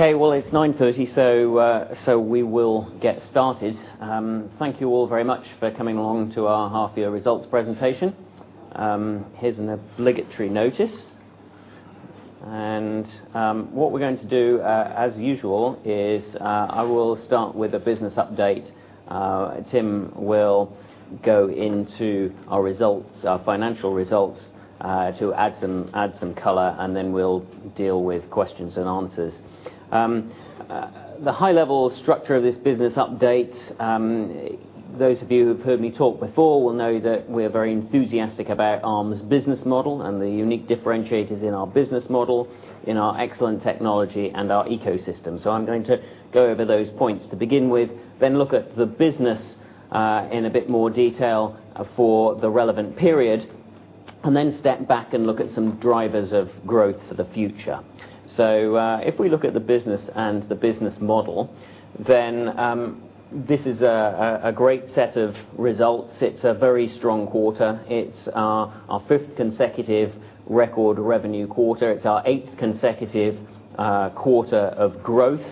Okay, it's 9:30 A.M., so we will get started. Thank you all very much for coming along to our half-year results presentation. Here's an obligatory notice. What we're going to do, as usual, is I will start with a business update. Tim will go into our results, our financial results, to add some color, and then we'll deal with questions and answers. The high-level structure of this business update, those of you who've heard me talk before will know that we're very enthusiastic about Arm's business model and the unique differentiators in our business model, in our excellent technology, and our ecosystem. I'm going to go over those points to begin with, then look at the business in a bit more detail for the relevant period, and then step back and look at some drivers of growth for the future. If we look at the business and the business model, this is a great set of results. It's a very strong quarter. It's our fifth consecutive record revenue quarter. It's our eighth consecutive quarter of growth.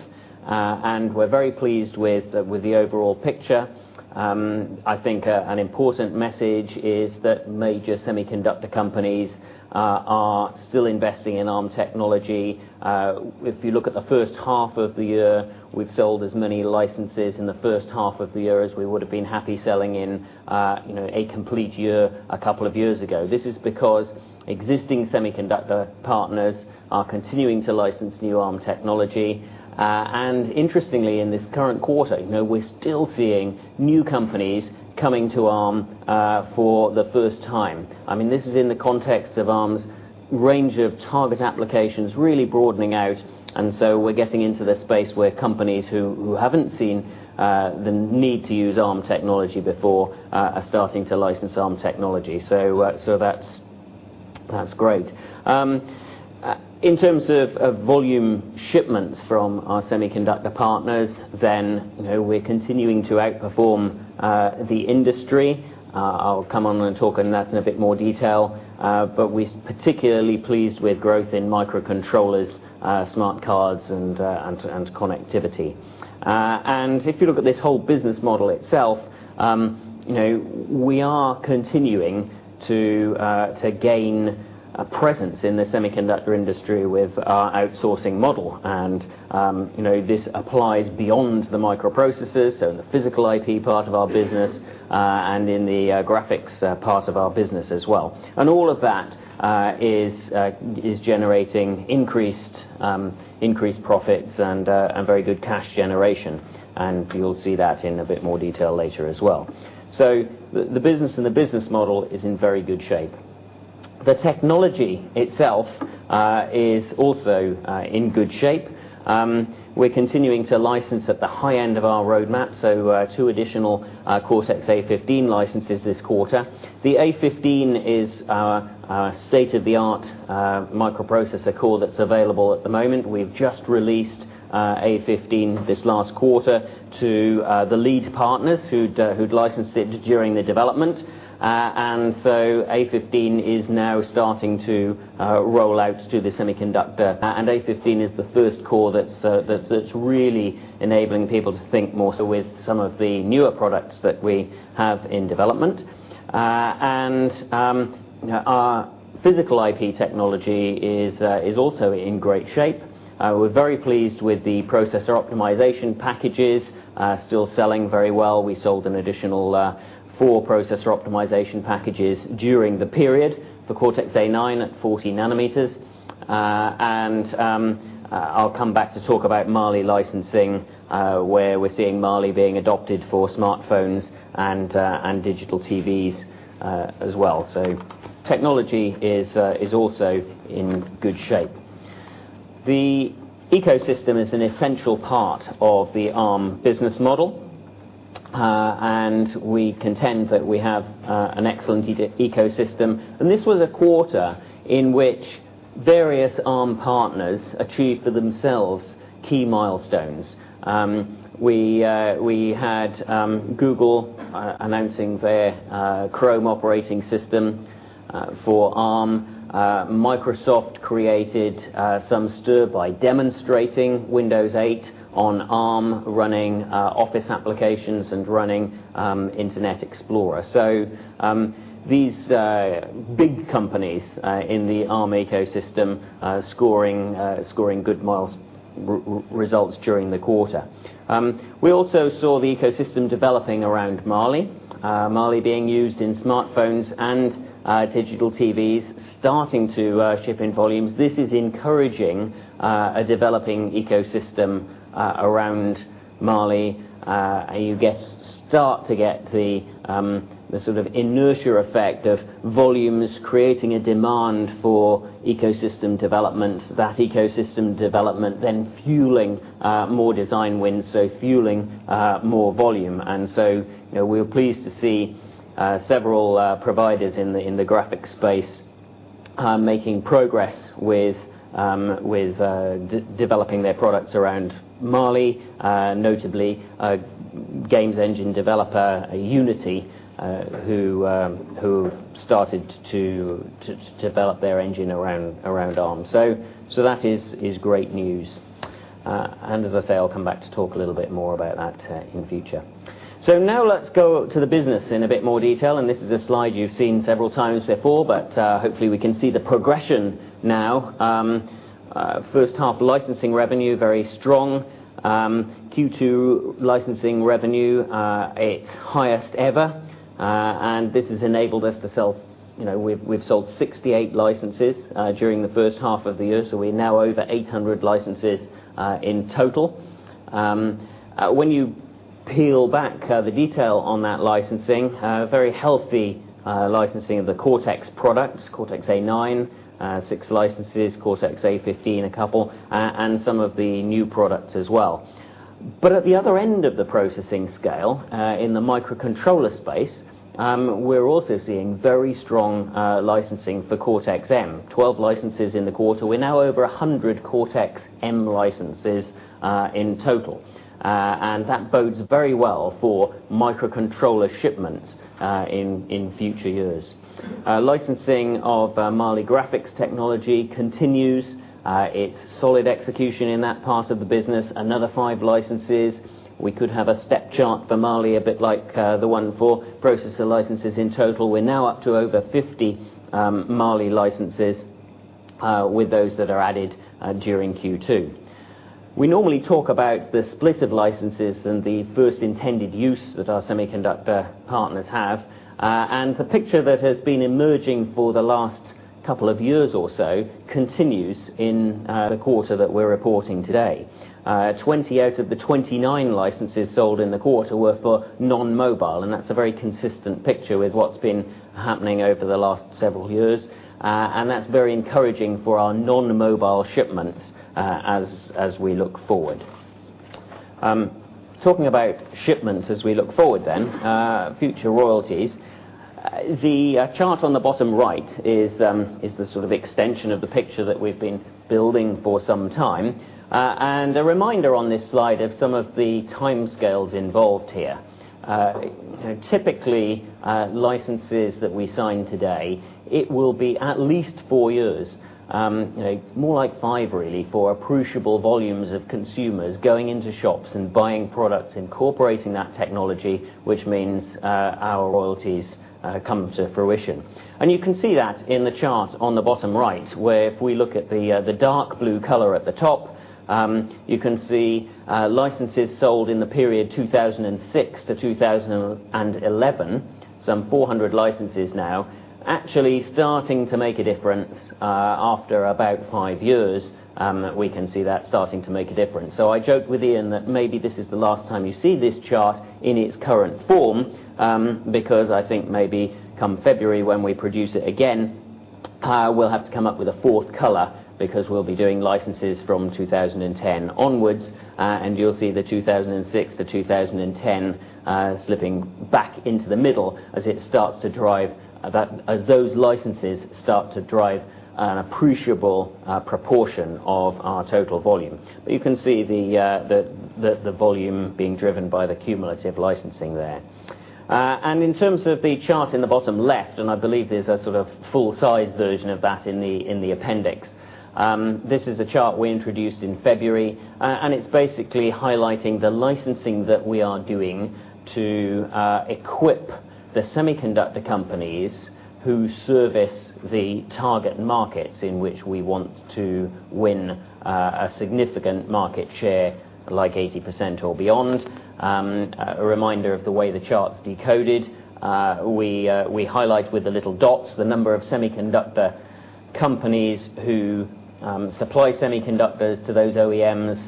We're very pleased with the overall picture. I think an important message is that major semiconductor companies are still investing in Arm technology. If you look at the first half of the year, we've sold as many licenses in the first half of the year as we would have been happy selling in a complete year a couple of years ago. This is because existing semiconductor partners are continuing to license new Arm technology. Interestingly, in this current quarter, we're still seeing new companies coming to Arm for the first time. This is in the context of Arm's range of target applications really broadening out. We're getting into the space where companies who haven't seen the need to use Arm Holdings technology before are starting to license Arm technology. That's great. In terms of volume shipments from our semiconductor partners, we're continuing to outperform the industry. I'll come on and talk on that in a bit more detail. We're particularly pleased with growth in microcontrollers, smart cards, and connectivity. If you look at this whole business model itself, we are continuing to gain a presence in the semiconductor industry with our outsourcing model. This applies beyond the microprocessors, in the physical IP part of our business, and in the graphics part of our business as well. All of that is generating increased profits and very good cash generation. You'll see that in a bit more detail later as well. The business and the business model is in very good shape. The technology itself is also in good shape. We're continuing to license at the high end of our roadmap, so two additional Cortex-A15 licenses this quarter. The Cortex-A15 is our state-of-the-art microprocessor core that's available at the moment. We've just released Cortex-A15 this last quarter to the lead partners who'd licensed it during the development. Cortex-A15 is now starting to roll out to the semiconductor industry. Cortex-A15 is the first core that's really enabling people to think more with some of the newer products that we have in development. Our physical IP technology is also in great shape. We're very pleased with the processor optimization packages, still selling very well. We sold an additional four processor optimization packages during the period for Cortex-A9 at 40 nm. I'll come back to talk about Mali licensing, where we're seeing Mali being adopted for smartphones and digital TVs as well. Technology is also in good shape. The ecosystem is an essential part of the Arm business model. We contend that we have an excellent ecosystem. This was a quarter in which various Arm Holdings partners achieved for themselves key milestones. We had Google announcing their Chrome OS for Arm. Microsoft created some stir by demonstrating Windows 8 on Arm, running Office applications, and running Internet Explorer. These big companies in the Arm Holdings ecosystem scored good results during the quarter. We also saw the ecosystem developing around Mali, Mali being used in smartphones and digital TVs, starting to ship in volumes. This is encouraging a developing ecosystem around Mali. You start to get the sort of inertia effect of volumes creating a demand for ecosystem development. That ecosystem development then fuels more design wins, fueling more volume. We're pleased to see several providers in the graphics space making progress with developing their products around Mali, notably a games engine developer, Unity, who started to develop their engine around Arm. That is great news. I'll come back to talk a little bit more about that in the future. Now let's go to the business in a bit more detail. This is a slide you've seen several times before, but hopefully we can see the progression now. First half licensing revenue, very strong. Q2 licensing revenue, its highest ever. This has enabled us to sell. We've sold 68 licenses during the first half of the year. We're now over 800 licenses in total. When you peel back the detail on that licensing, very healthy licensing of the Cortex products, Cortex A9, six licenses, Cortex-A15, a couple, and some of the new products as well. At the other end of the processing scale in the microcontroller space, we're also seeing very strong licensing for Cortex-M, 12 licenses in the quarter. We're now over 100 Cortex-M licenses in total, and that bodes very well for microcontroller shipments in future years. Licensing of Mali graphics technology continues. It's solid execution in that part of the business, another five licenses. We could have a step chart for Mali, a bit like the one for processor licenses in total. We're now up to over 50 Mali licenses with those that are added during Q2. We normally talk about the split of licenses and the first intended use that our semiconductor partners have. The picture that has been emerging for the last couple of years or so continues in the quarter that we're reporting today. 20 out of the 29 licenses sold in the quarter were for non-mobile. That's a very consistent picture with what's been happening over the last several years, and that's very encouraging for our non-mobile shipments as we look forward. Talking about shipments as we look forward then, future royalties, the chart on the bottom right is the sort of extension of the picture that we've been building for some time. A reminder on this slide of some of the timescales involved here: typically, licenses that we sign today, it will be at least four years, more like five, really, for appreciable volumes of consumers going into shops and buying products incorporating that technology, which means our royalties come to fruition. You can see that in the chart on the bottom right, where if we look at the dark blue color at the top, you can see licenses sold in the period 2006-2011, some 400 licenses now, actually starting to make a difference after about five years. We can see that starting to make a difference. I joked with Ian that maybe this is the last time you see this chart in its current form because I think maybe come February, when we produce it again, we'll have to come up with a fourth color because we'll be doing licenses from 2010 onwards. You will see the 2006-2010 slipping back into the middle as it starts to drive, as those licenses start to drive an appreciable proportion of our total volume. You can see the volume being driven by the cumulative licensing there. In terms of the chart in the bottom left, and I believe there's a sort of full-size version of that in the appendix, this is a chart we introduced in February. It is basically highlighting the licensing that we are doing to equip the semiconductor companies who service the target markets in which we want to win a significant market share, like 80% or beyond. A reminder of the way the chart's decoded, we highlight with the little dots the number of semiconductor companies who supply semiconductors to those OEMs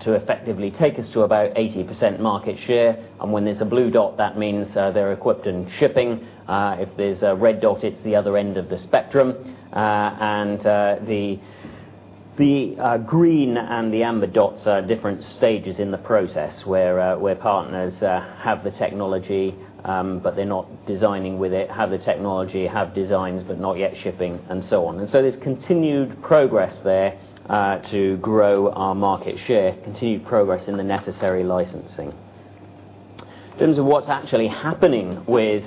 to effectively take us to about 80% market share. When there's a blue dot, that means they're equipped and shipping. If there's a red dot, it's the other end of the spectrum. The green and the amber dots are different stages in the process where partners have the technology, but they're not designing with it, have the technology, have designs, but not yet shipping, and so on. There is continued progress there to grow our market share, continued progress in the necessary licensing. In terms of what's actually happening with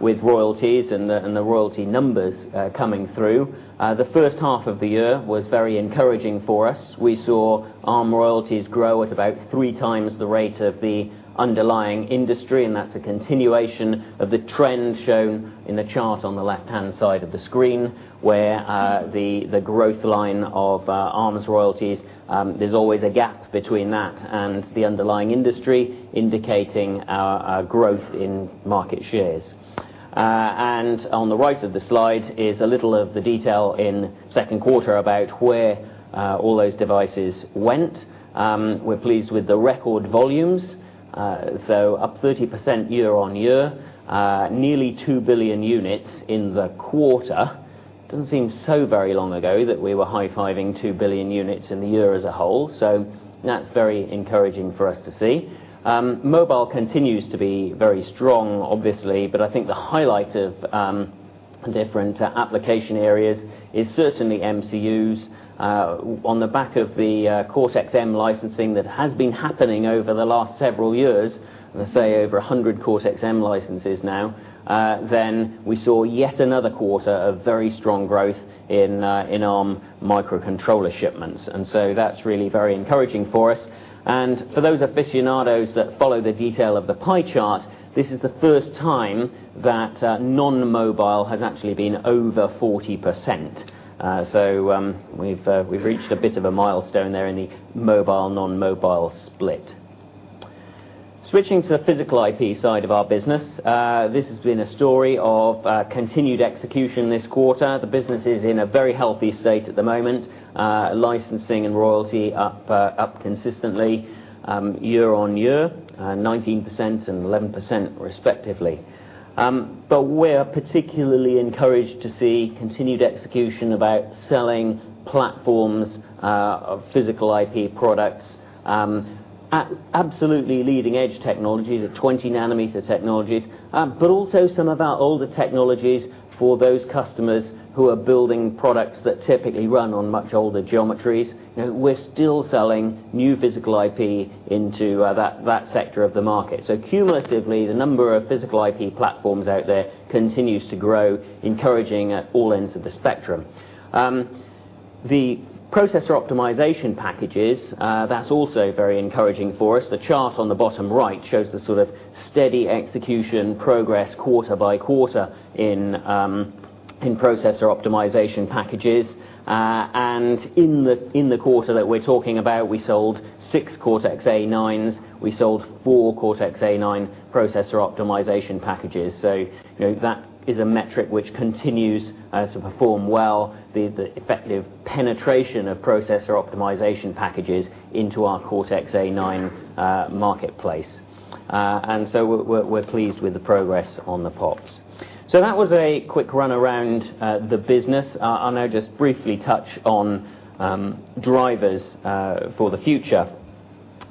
royalties and the royalty numbers coming through, the first half of the year was very encouraging for us. We saw Arm royalties grow at about 3x the rate of the underlying industry. That is a continuation of the trend shown in the chart on the left-hand side of the screen, where the growth line of Arm's royalties, there's always a gap between that and the underlying industry, indicating our growth in market shares. On the right of the slide is a little of the detail in second quarter about where all those devices went. We're pleased with the record volumes, up 30% year-on-year, nearly 2 billion units in the quarter. It doesn't seem so very long ago that we were high-fiving 2 billion units in the year as a whole. That is very encouraging for us to see. Mobile continues to be very strong, obviously, but I think the highlight of different application areas is certainly MCUs. On the back of the Cortex-M licensing that has been happening over the last several years, let's say over 100 Cortex-M licenses now, we saw yet another quarter of very strong growth in Arm microcontroller shipments. That is really very encouraging for us. For those aficionados that follow the detail of the pie chart, this is the first time that non-mobile has actually been over 40%. We've reached a bit of a milestone there in the mobile/non-mobile split. Switching to the physical IP side of our business, this has been a story of continued execution this quarter. The business is in a very healthy state at the moment, licensing and royalty up consistently year-on -ear, 19% and 11% respectively. We're particularly encouraged to see continued execution about selling platforms of physical IP products, absolutely leading-edge technologies, at 20 nm technologies, but also some of our older technologies for those customers who are building products that typically run on much older geometries. We're still selling new physical IP into that sector of the market. Cumulatively, the number of physical IP platforms out there continues to grow, encouraging at all ends of the spectrum. The processor optimization packages, that's also very encouraging for us. The chart on the bottom right shows the sort of steady execution progress quarter-by-quarter in processor optimization packages. In the quarter that we're talking about, we sold six Cortex-A9s. We sold four Cortex-A9 processor optimization packages. That is a metric which continues to perform well, the effective penetration of processor optimization packages into our Cortex-A9 marketplace. We're pleased with the progress on the pots. That was a quick run around the business. I'll now just briefly touch on drivers for the future.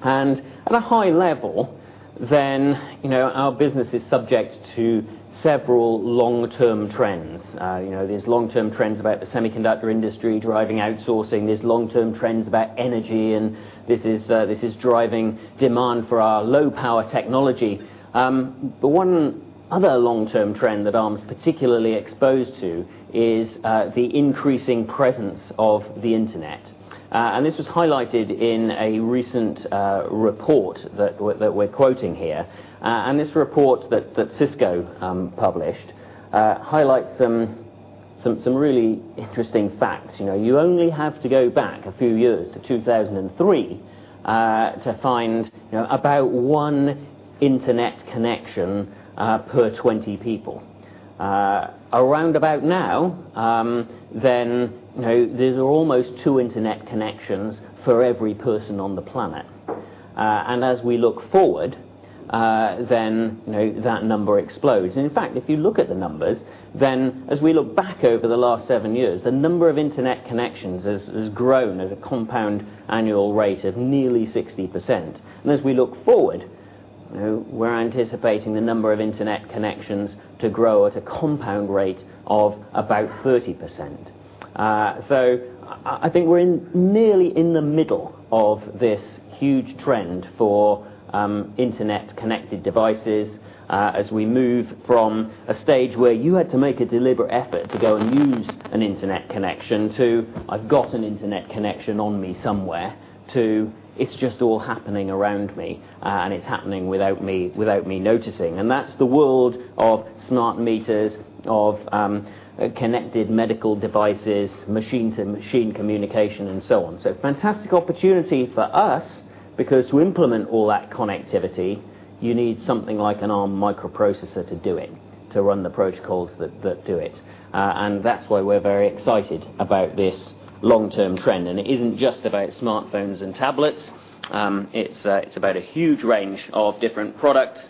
At a high level, our business is subject to several long-term trends. There are long-term trends about the semiconductor industry driving outsourcing. There are long-term trends about energy, and this is driving demand for our low-power technology. One other long-term trend that Arm's particularly exposed to is the increasing presence of the internet. This was highlighted in a recent report that we're quoting here. This report that Cisco published highlights some really interesting facts. You only have to go back a few years to 2003 to find about one internet connection per 20 people. Around about now, there are almost two internet connections for every person on the planet. As we look forward, that number explodes. In fact, if you look at the numbers, then as we look back over the last seven years, the number of internet connections has grown at a compound annual rate of nearly 60%. As we look forward, we're anticipating the number of internet connections to grow at a compound rate of about 30%. I think we're nearly in the middle of this huge trend for internet-connected devices as we move from a stage where you had to make a deliberate effort to go and use an internet connection to, "I've got an internet connection on me somewhere," to, "It's just all happening around me, and it's happening without me noticing." That's the world of smart meters, of connected medical devices, machine-to-machine communication, and so on. This is a fantastic opportunity for us because to implement all that connectivity, you need something like an Arm microprocessor to do it, to run the protocols that do it. That's why we're very excited about this long-term trend. It isn't just about smartphones and tablets. It's about a huge range of different products.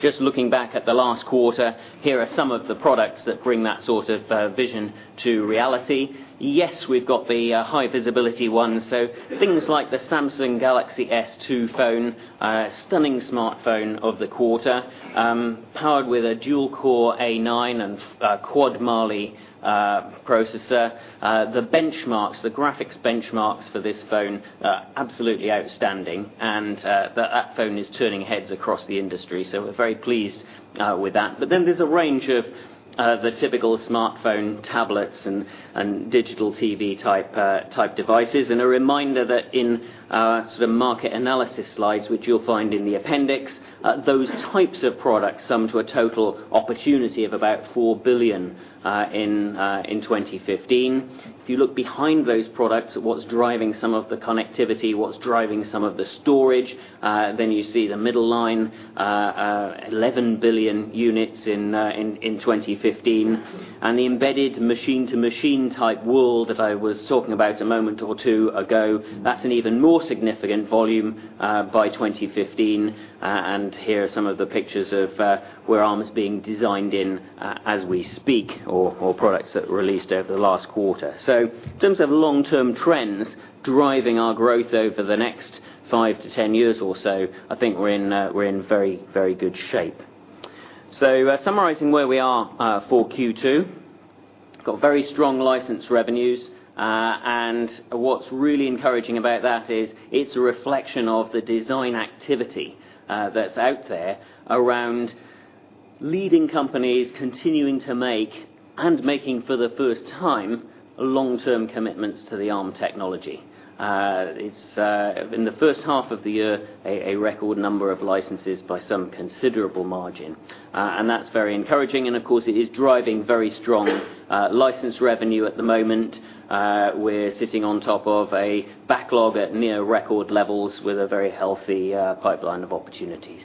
Just looking back at the last quarter, here are some of the products that bring that sort of vision to reality. Yes, we've got the high-visibility ones. Things like the Samsung Galaxy S2 phone, a stunning smartphone of the quarter, powered with a dual-core A9 and quad-Mali processor. The benchmarks, the graphics benchmarks for this phone, are absolutely outstanding. That phone is turning heads across the industry. We're very pleased with that. Then there's a range of the typical smartphone, tablets, and digital TV-type devices and a reminder that in our sort of market analysis slides, which you'll find in the appendix, those types of products sum to a total opportunity of about $4 billion in 2015. If you look behind those products, what's driving some of the connectivity, what's driving some of the storage, then you see the middle line, 11 billion units in 2015. The embedded machine-to-machine type world that I was talking about a moment or two ago, that's an even more significant volume by 2015. Here are some of the pictures of where Arm's being designed in as we speak or products that were released over the last quarter. In terms of long-term trends driving our growth over the next 5 years -10 years or so, I think we're in very, very good shape. Summarizing where we are for Q2, we've got very strong license revenues. What's really encouraging about that is it's a reflection of the design activity that's out there around leading companies continuing to make and making for the first time long-term commitments to the Arm technology. It's in the first half of the year, a record number of licenses by some considerable margin. That's very encouraging. Of course, it is driving very strong license revenue at the moment. We're sitting on top of a backlog at near record levels with a very healthy pipeline of opportunities.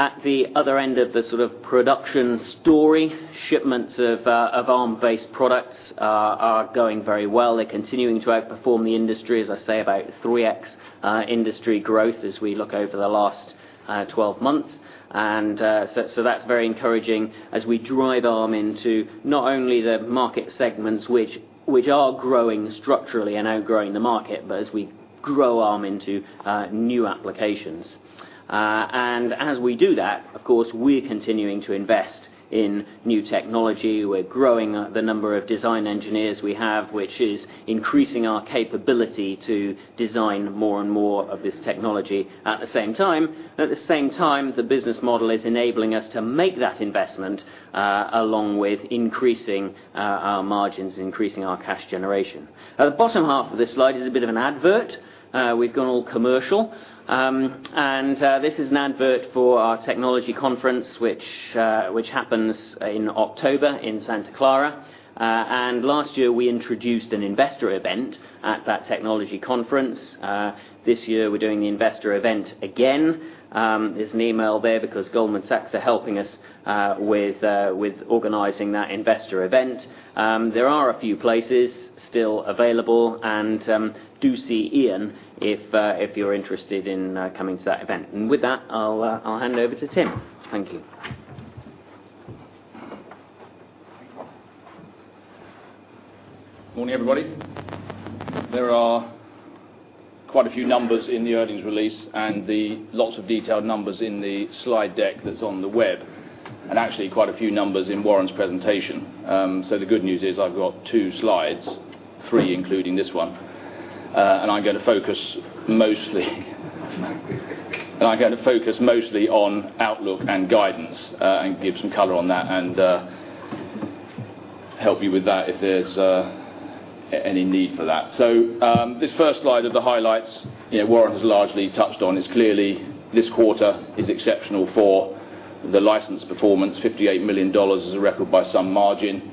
At the other end of the sort of production story, shipments of Arm-based products are going very well. They're continuing to outperform the industry, as I say, about 3x industry growth as we look over the last 12 months. That's very encouraging as we drive Arm into not only the market segments, which are growing structurally and outgrowing the market, but as we grow Arm into new applications. As we do that, of course, we're continuing to invest in new technology. We're growing the number of design engineers we have, which is increasing our capability to design more and more of this technology at the same time. At the same time, the business model is enabling us to make that investment along with increasing our margins, increasing our cash generation. At the bottom half of this slide is a bit of an advert. We've gone all commercial. This is an advert for our technology conference, which happens in October in Santa Clara. Last year, we introduced an investor event at that technology conference. This year, we're doing the investor event again. There's an email there because Goldman Sachs are helping us with organizing that investor event. There are a few places still available. Do see Ian if you're interested in coming to that event. With that, I'll hand over to Tim. Thank you. Morning, everybody. There are quite a few numbers in the earnings release and lots of detailed numbers in the slide deck that's on the web and actually quite a few numbers in Warren's presentation. The good news is I've got two slides, three including this one. I'm going to focus mostly on outlook and guidance and give some color on that and help you with that if there's any need for that. This first slide of the highlights Warren has largely touched on is clearly this quarter is exceptional for the license performance. $58 million is a record by some margin.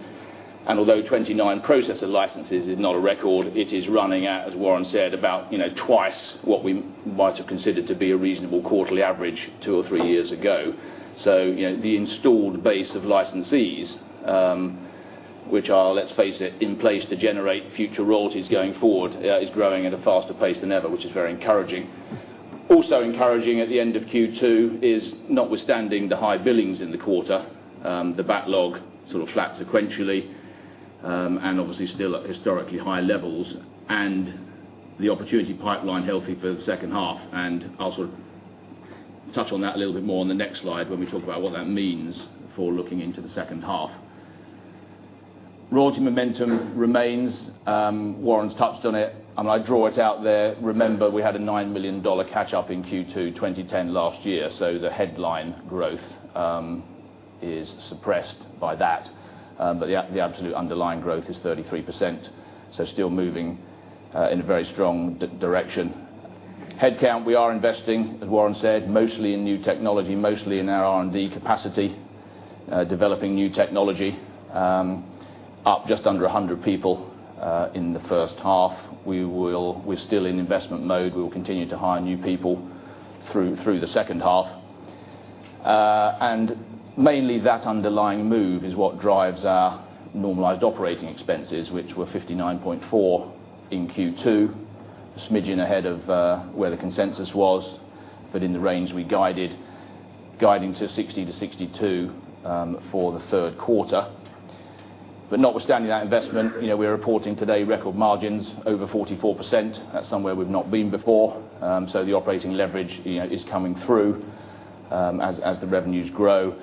Although 29 processor licenses is not a record, it is running at, as Warren said, about twice what we might have considered to be a reasonable quarterly average two or three years ago. The installed base of licensees, which are, let's face it, in place to generate future royalties going forward, is growing at a faster pace than ever, which is very encouraging. Also encouraging at the end of Q2 is notwithstanding the high billings in the quarter, the backlog sort of flat sequentially, and obviously still at historically high levels, and the opportunity pipeline healthy for the second half. I'll sort of touch on that a little bit more on the next slide when we talk about what that means for looking into the second half. Royalty momentum remains. Warren's touched on it. I draw it out there. Remember, we had a $9 million catch-up in Q2 2010 last year. The headline growth is suppressed by that. The absolute underlying growth is 33%. Still moving in a very strong direction. Headcount, we are investing, as Warren said, mostly in new technology, mostly in our R&D capacity, developing new technology, up just under 100 people in the first half. We're still in investment mode. We will continue to hire new people through the second half. Mainly, that underlying move is what drives our normalized operating expenses, which were $59.4 million in Q2, a smidgen ahead of where the consensus was, but in the range we guided, guiding to $60 million-$62 million for the third quarter. Notwithstanding that investment, we're reporting today record margins, over 44%. That's somewhere we've not been before. The operating leverage is coming through as the revenues grow.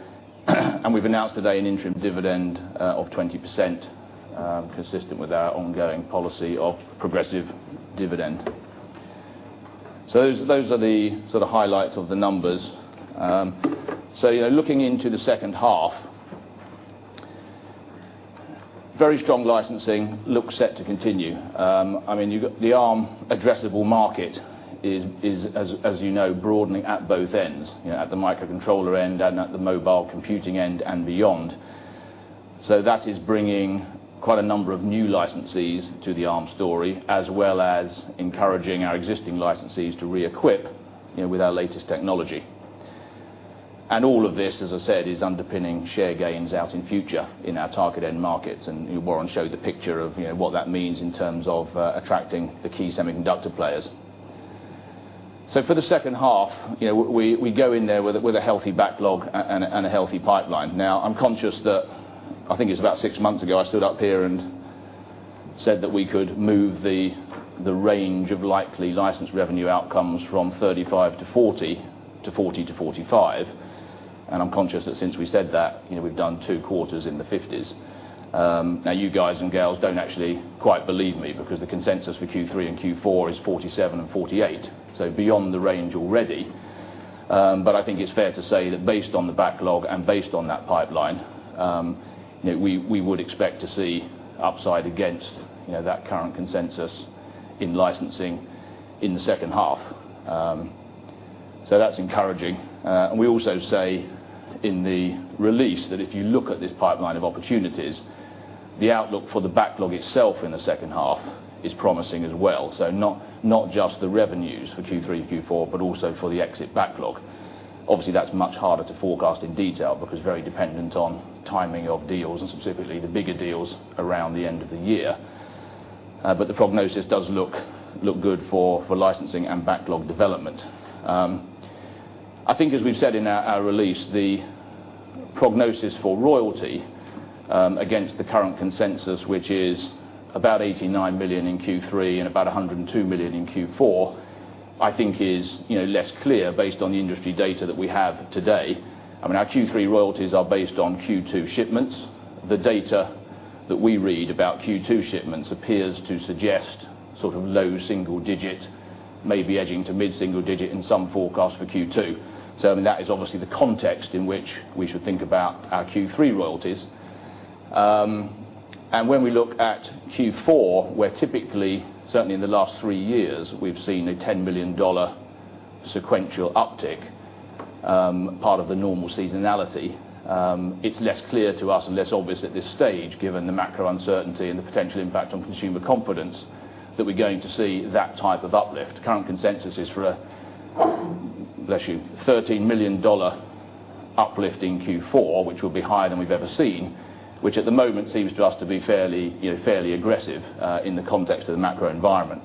We've announced today an interim dividend of 20%, consistent with our ongoing policy of progressive dividend. Those are the sort of highlights of the numbers. Looking into the second half, very strong licensing looks set to continue. The Arm addressable market is, as you know, broadening at both ends, at the microcontroller end and at the mobile computing end and beyond. That is bringing quite a number of new licensees to the Arm story, as well as encouraging our existing licensees to re-equip with our latest technology. All of this, as I said, is underpinning share gains out in future in our target end markets. Warren showed the picture of what that means in terms of attracting the key semiconductor players. For the second half, we go in there with a healthy backlog and a healthy pipeline. I'm conscious that I think it's about six months ago I stood up here and said that we could move the range of likely license revenue outcomes from $35 million-$40 million-$40 million-$45 million. I'm conscious that since we said that, we've done two quarters in the $50 million range. You guys and girls don't actually quite believe me because the consensus for Q3 and Q4 is $47 million and $48 million, so beyond the range already. I think it's fair to say that based on the backlog and based on that pipeline, we would expect to see upside against that current consensus in licensing in the second half. That's encouraging. We also say in the release that if you look at this pipeline of opportunities, the outlook for the backlog itself in the second half is promising as well. Not just the revenues for Q3 and Q4, but also for the exit backlog. Obviously, that's much harder to forecast in detail because it's very dependent on timing of deals and specifically the bigger deals around the end of the year. The prognosis does look good for licensing and backlog development. I think, as we've said in our release, the prognosis for royalty against the current consensus, which is about $89 million in Q3 and about $102 million in Q4, is less clear based on the industry data that we have today. Our Q3 royalties are based on Q2 shipments. The data that we read about Q2 shipments appears to suggest sort of low single digit, maybe edging to mid-single digit in some forecasts for Q2. That is obviously the context in which we should think about our Q3 royalties. When we look at Q4, where typically, certainly in the last three years, we've seen a $10 million sequential uptick, part of the normal seasonality, it's less clear to us and less obvious at this stage, given the macro uncertainty and the potential impact on consumer confidence, that we're going to see that type of uplift. Current consensus is for a, bless you, $13 million uplift in Q4, which will be higher than we've ever seen, which at the moment seems to us to be fairly aggressive in the context of the macro environment.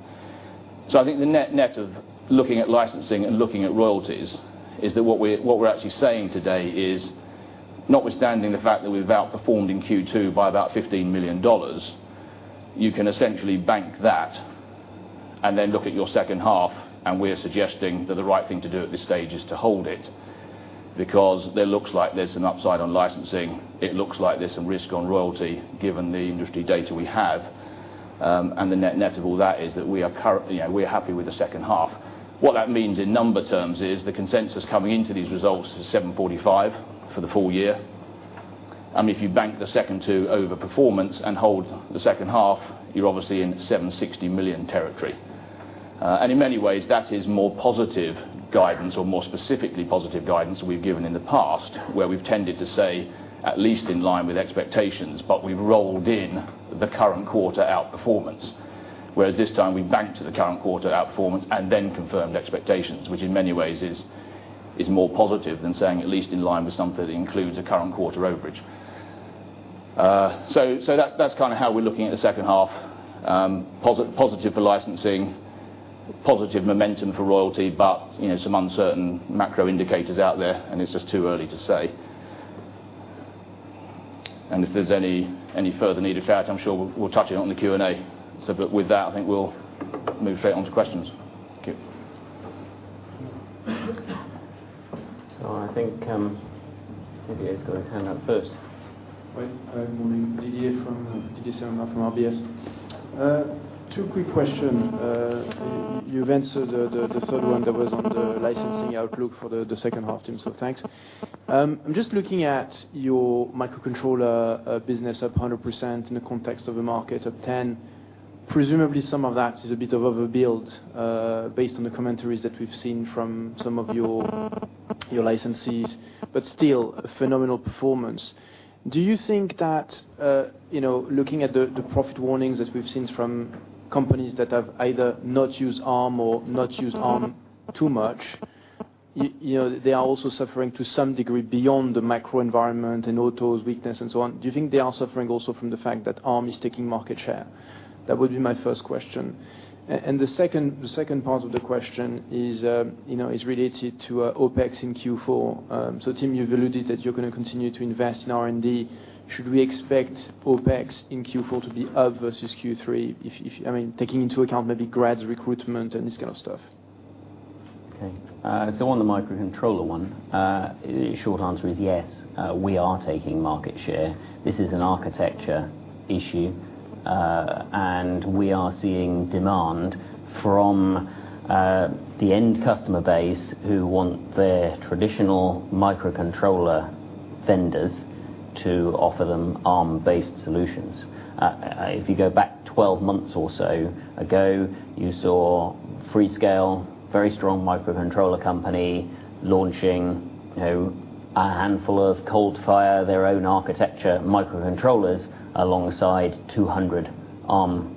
I think the net of looking at licensing and looking at royalties is that what we're actually saying today is, notwithstanding the fact that we've outperformed in Q2 by about $15 million, you can essentially bank that and then look at your second half. We're suggesting that the right thing to do at this stage is to hold it because there looks like there's an upside on licensing. It looks like there's some risk on royalty, given the industry data we have. The net of all that is that we are happy with the second half. What that means in number terms is the consensus coming into these results is $745 million for the full year. I mean, if you bank the second two overperformance and hold the second half, you're obviously in $760 million territory. In many ways, that is more positive guidance or more specifically positive guidance that we've given in the past, where we've tended to say at least in line with expectations, but we've rolled in the current quarter outperformance. This time, we banked the current quarter outperformance and then confirmed expectations, which in many ways is more positive than saying at least in line with something that includes a current quarter overage. That's kind of how we're looking at the second half: positive for licensing, positive momentum for royalty, but some uncertain macro indicators out there, and it's just too early to say. If there's any further need of that, I'm sure we'll touch it on the Q&A. With that, I think we'll move straight on to questions. I think maybe I just got his hand up first. All right. Morning. Didier hear from RBS? Two quick questions. You've answered the third one that was on the licensing outlook for the second half, Tim, so thanks. I'm just looking at your microcontroller business up 100% in the context of a market of 10%. Presumably, some of that is a bit of overbuild based on the commentaries that we've seen from some of your licensees, but still a phenomenal performance. Do you think that looking at the profit warnings that we've seen from companies that have either not used Arm or not used Arm too much, they are also suffering to some degree beyond the macro environment and OTO's weakness and so on. Do you think they are suffering also from the fact that Arm is taking market share? That would be my first question. The second part of the question is related to OpEx in Q4. Tim, you've alluded that you're going to continue to invest in R&D. Should we expect OpEx in Q4 to be up versus Q3? I mean, taking into account maybe grads, recruitment, and this kind of stuff. Okay. On the microcontroller one, the short answer is yes, we are taking market share. This is an architecture issue. We are seeing demand from the end customer base who want their traditional microcontroller vendors to offer them Arm-based solutions. If you go back 12 months or so ago, you saw Freescale, a very strong microcontroller company, launching a handful of ColdFire, their own architecture microcontrollers, alongside 200 Arm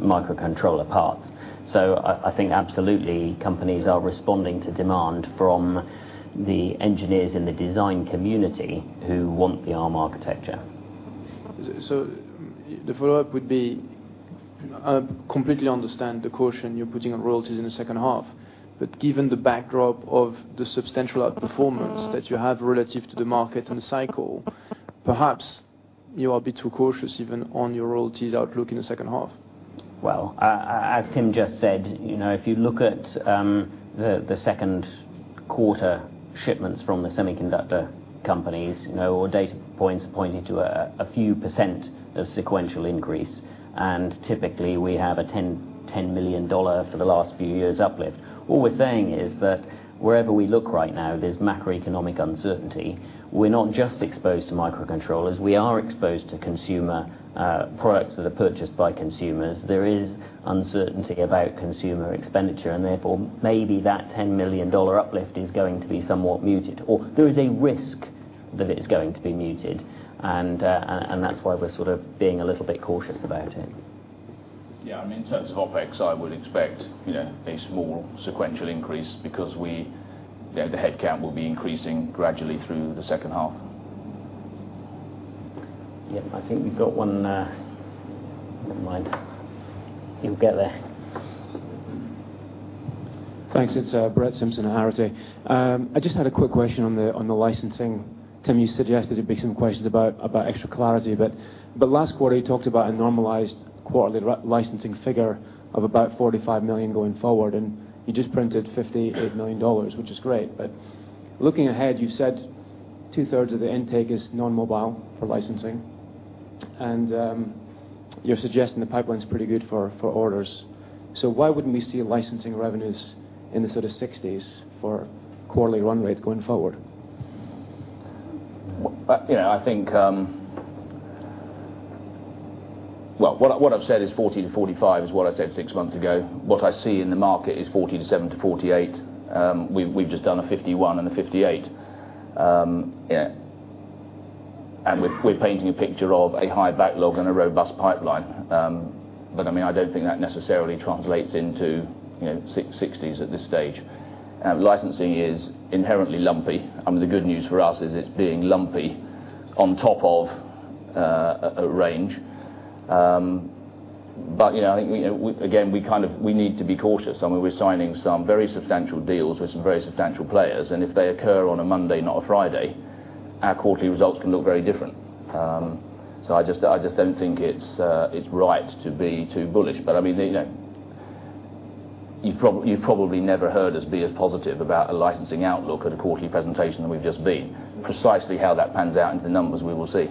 microcontroller parts. I think absolutely companies are responding to demand from the engineers in the design community who want the Arm architecture. I completely understand the caution you're putting on royalties in the second half. Given the backdrop of the substantial outperformance that you have relative to the market and cycle, perhaps you are a bit too cautious even on your royalties outlook in the second half. As Tim just said, if you look at the second quarter shipments from the semiconductor companies, our data points are pointing to a few percent of sequential increase. Typically, we have a $10 million for the last few years uplift. All we're saying is that wherever we look right now, there's macroeconomic uncertainty. We're not just exposed to microcontrollers. We are exposed to consumer products that are purchased by consumers. There is uncertainty about consumer expenditure. Therefore, maybe that $10 million uplift is going to be somewhat muted, or there is a risk that it's going to be muted. That's why we're sort of being a little bit cautious about it. Yeah. I mean, in terms of OpEx, I would expect a small sequential increase because the headcount will be increasing gradually through the second half. Yep, I think we've got one. Never mind, he'll get there. Thanks. It's Brad Simpson of Harrity. I just had a quick question on the licensing. Tim, you suggested it'd be some questions about extra clarity. Last quarter, you talked about a normalized quarterly licensing figure of about $45 million going forward. You just printed $58 million, which is great. Looking ahead, you've said two-thirds of the intake is non-mobile for licensing. You're suggesting the pipeline's pretty good for orders. Why wouldn't we see licensing revenues in the sort of $60 million for quarterly run rate going forward? I think what I've said is 40-45 is what I said six months ago. What I see in the market is 47-48. We've just done a 51 and a 58. We're painting a picture of a high backlog and a robust pipeline. I don't think that necessarily translates into 60s at this stage. Licensing is inherently lumpy. The good news for us is it's being lumpy on top of a range. I think, again, we kind of need to be cautious. We're signing some very substantial deals with some very substantial players. If they occur on a Monday, not a Friday, our quarterly results can look very different. I just don't think it's right to be too bullish. You've probably never heard us be as positive about a licensing outlook at a quarterly presentation than we've just been. Precisely how that pans out into the numbers, we will see.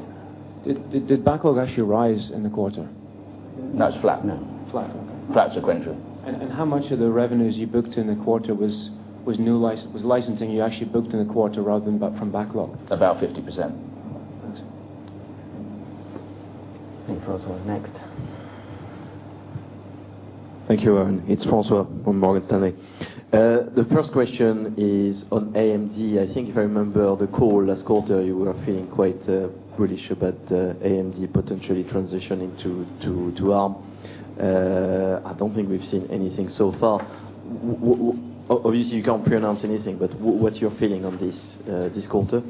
Did backlog actually rise in the quarter? No, it's flat. No. Flat. Flat sequential. How much of the revenues you booked in the quarter was licensing you actually booked in the quarter rather than from backlog? About 50%. Thanks. Thank you, François. Next. Thank you, Warren. It's François from Morgan Stanley. The first question is on AMD. I think if I remember the call last quarter, you were feeling quite bullish about AMD potentially transitioning to Arm. I don't think we've seen anything so far. Obviously, you can't pre-announce anything, but what's your feeling on this quarter?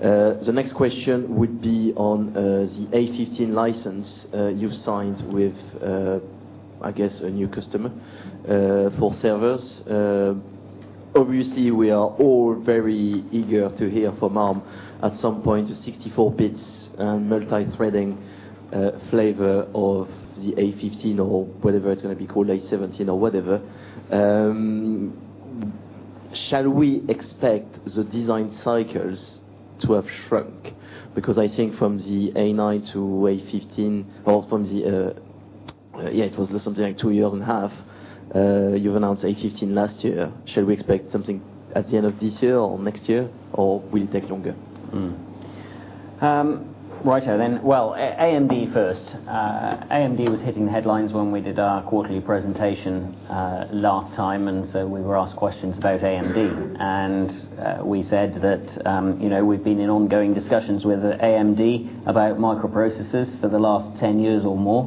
The next question would be on the A15 license you've signed with, I guess, a new customer for servers. Obviously, we are all very eager to hear from Arm at some point. To 64-bits and multi-threading flavor of the A15 or whatever it's going to be called, A17 or whatever. Shall we expect the design cycles to have shrunk? Because I think from the A9-A15 or from the, yeah, it was something like two years and a half, you've announced A15 last year. Shall we expect something at the end of this year or next year, or will it take longer? Right. AMD first. AMD was hitting the headlines when we did our quarterly presentation last time. We were asked questions about AMD, and we said that we've been in ongoing discussions with AMD about microprocessors for the last 10 years or more.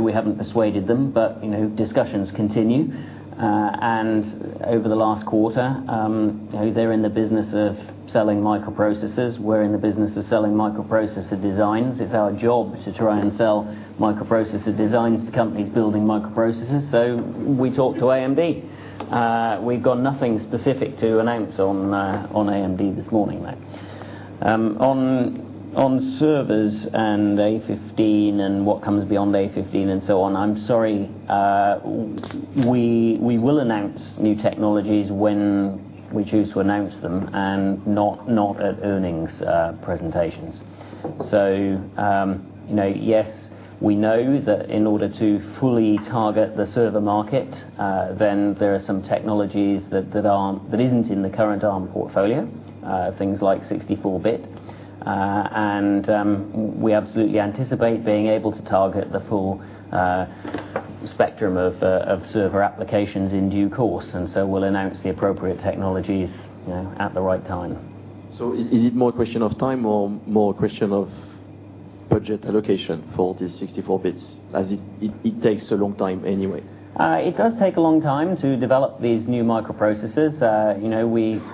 We haven't persuaded them, but discussions continue. Over the last quarter, they're in the business of selling microprocessors. We're in the business of selling microprocessor designs. It's our job to try and sell microprocessor designs to companies building microprocessors. We talked to AMD. We've got nothing specific to announce on AMD this morning. On servers and Cortex-A15 and what comes beyond Cortex-A15 and so on, I'm sorry, we will announce new technologies when we choose to announce them and not at earnings presentations. We know that in order to fully target the server market, there are some technologies that aren't in the current Arm Holdings portfolio, things like 64-bit. We absolutely anticipate being able to target the full spectrum of server applications in due course. We'll announce the appropriate technologies at the right time. Is it more a question of time or more a question of budget allocation for these 64-bits? It takes a long time anyway. It does take a long time to develop these new microprocessors.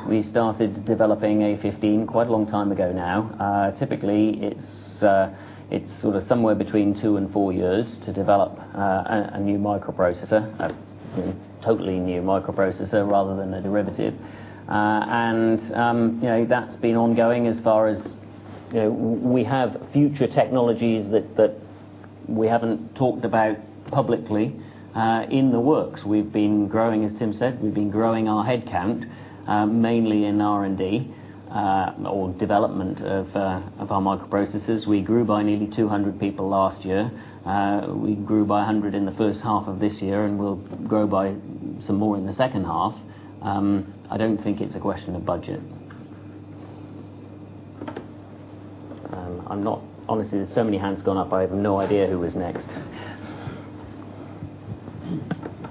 We started developing Cortex-A15 quite a long time ago now. Typically, it's sort of somewhere between two and four years to develop a new microprocessor, a totally new microprocessor rather than a derivative. That's been ongoing as far as we have future technologies that we haven't talked about publicly in the works. We've been growing, as Tim said, we've been growing our headcount mainly in R&D or development of our microprocessors. We grew by nearly 200 people last year. We grew by 100 in the first half of this year and will grow by some more in the second half. I don't think it's a question of budget. Honestly, there's so many hands gone up, I have no idea who is next.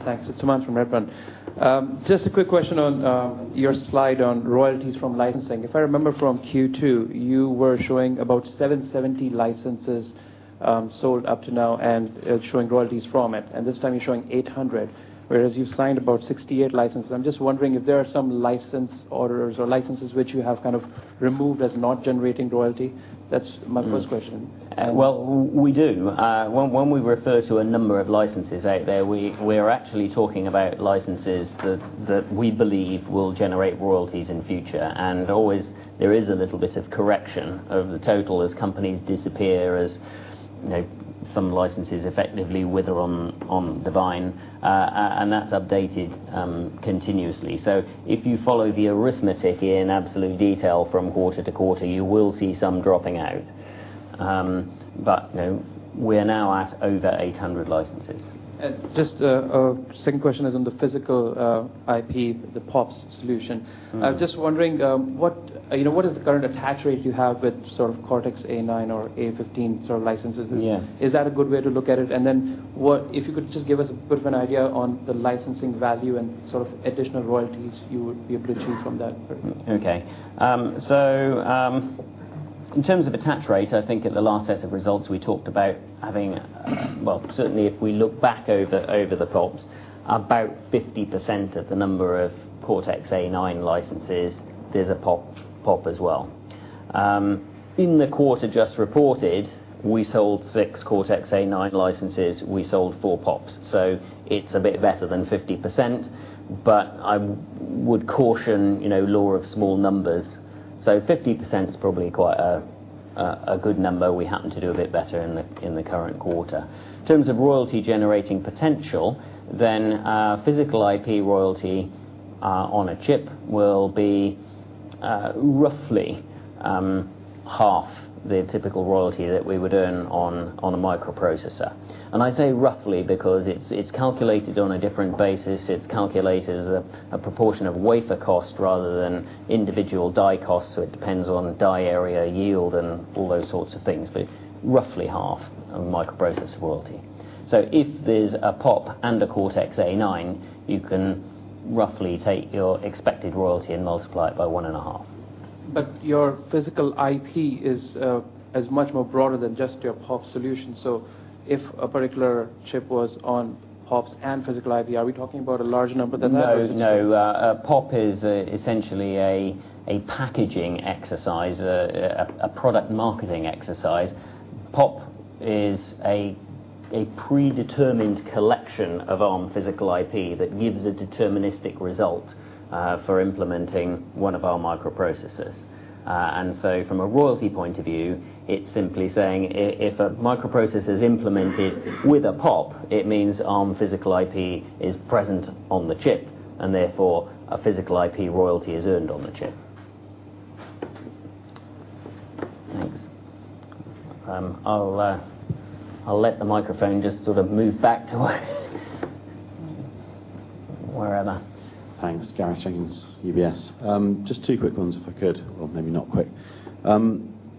Thanks. It's Sam from Redburn. Just a quick question on your slide on royalties from licensing. If I remember from Q2, you were showing about 770 licenses sold up to now and showing royalties from it. This time, you're showing 800, whereas you've signed about 68 licenses. I'm just wondering if there are some license orders or licenses which you have kind of removed as not generating royalty. That's my first question. When we refer to a number of licenses out there, we are actually talking about licenses that we believe will generate royalties in the future. There is always a little bit of correction of the total as companies disappear, as some licenses effectively wither on the vine. That's updated continuously. If you follow the arithmetic in absolute detail from quarter to quarter, you will see some dropping out. We're now at over 800 licenses. Just a second question is on the physical IP, the POPs solution. I'm just wondering, what is the current attach rate you have with sort of Cortex-A9 or Cortex-A15 sort of licenses? Is that a good way to look at it? If you could just give us a bit of an idea on the licensing value and sort of additional royalties you would be able to achieve from that. Okay. In terms of attach rate, I think at the last set of results, we talked about having, certainly if we look back over the POPs, about 50% of the number of Cortex-A9 licenses, there's a POPs as well. In the quarter just reported, we sold six Cortex-A9 licenses. We sold four POPs. It's a bit better than 50%. I would caution the law of small numbers. 50% is probably quite a good number. We happen to do a bit better in the current quarter. In terms of royalty generating potential, then physical IP royalty on a chip will be roughly half the typical royalty that we would earn on a microprocessor. I say roughly because it's calculated on a different basis. It's calculated as a proportion of wafer cost rather than individual die costs. It depends on die area yield and all those sorts of things. Roughly half of microprocessor royalty. If there's a POP and a Cortex-A9, you can roughly take your expected royalty and multiply it by one and a half. Your physical IP is much broader than just your POP solution. If a particular chip was on POP and physical IP, are we talking about a larger number than that? No, no. POP is essentially a packaging exercise, a product marketing exercise. POP is a predetermined collection of Arm physical IP that gives a deterministic result for implementing one of our microprocessors. From a royalty point of view, it's simply saying if a microprocessor is implemented with a POP, it means Arm physical IP is present on the chip, and therefore, a physical IP royalty is earned on the chip. Thanks. I'll let the microphone just sort of move back to wherever. Thanks, Gareth Jenkins UBS. Just two quick ones if I could, or maybe not quick.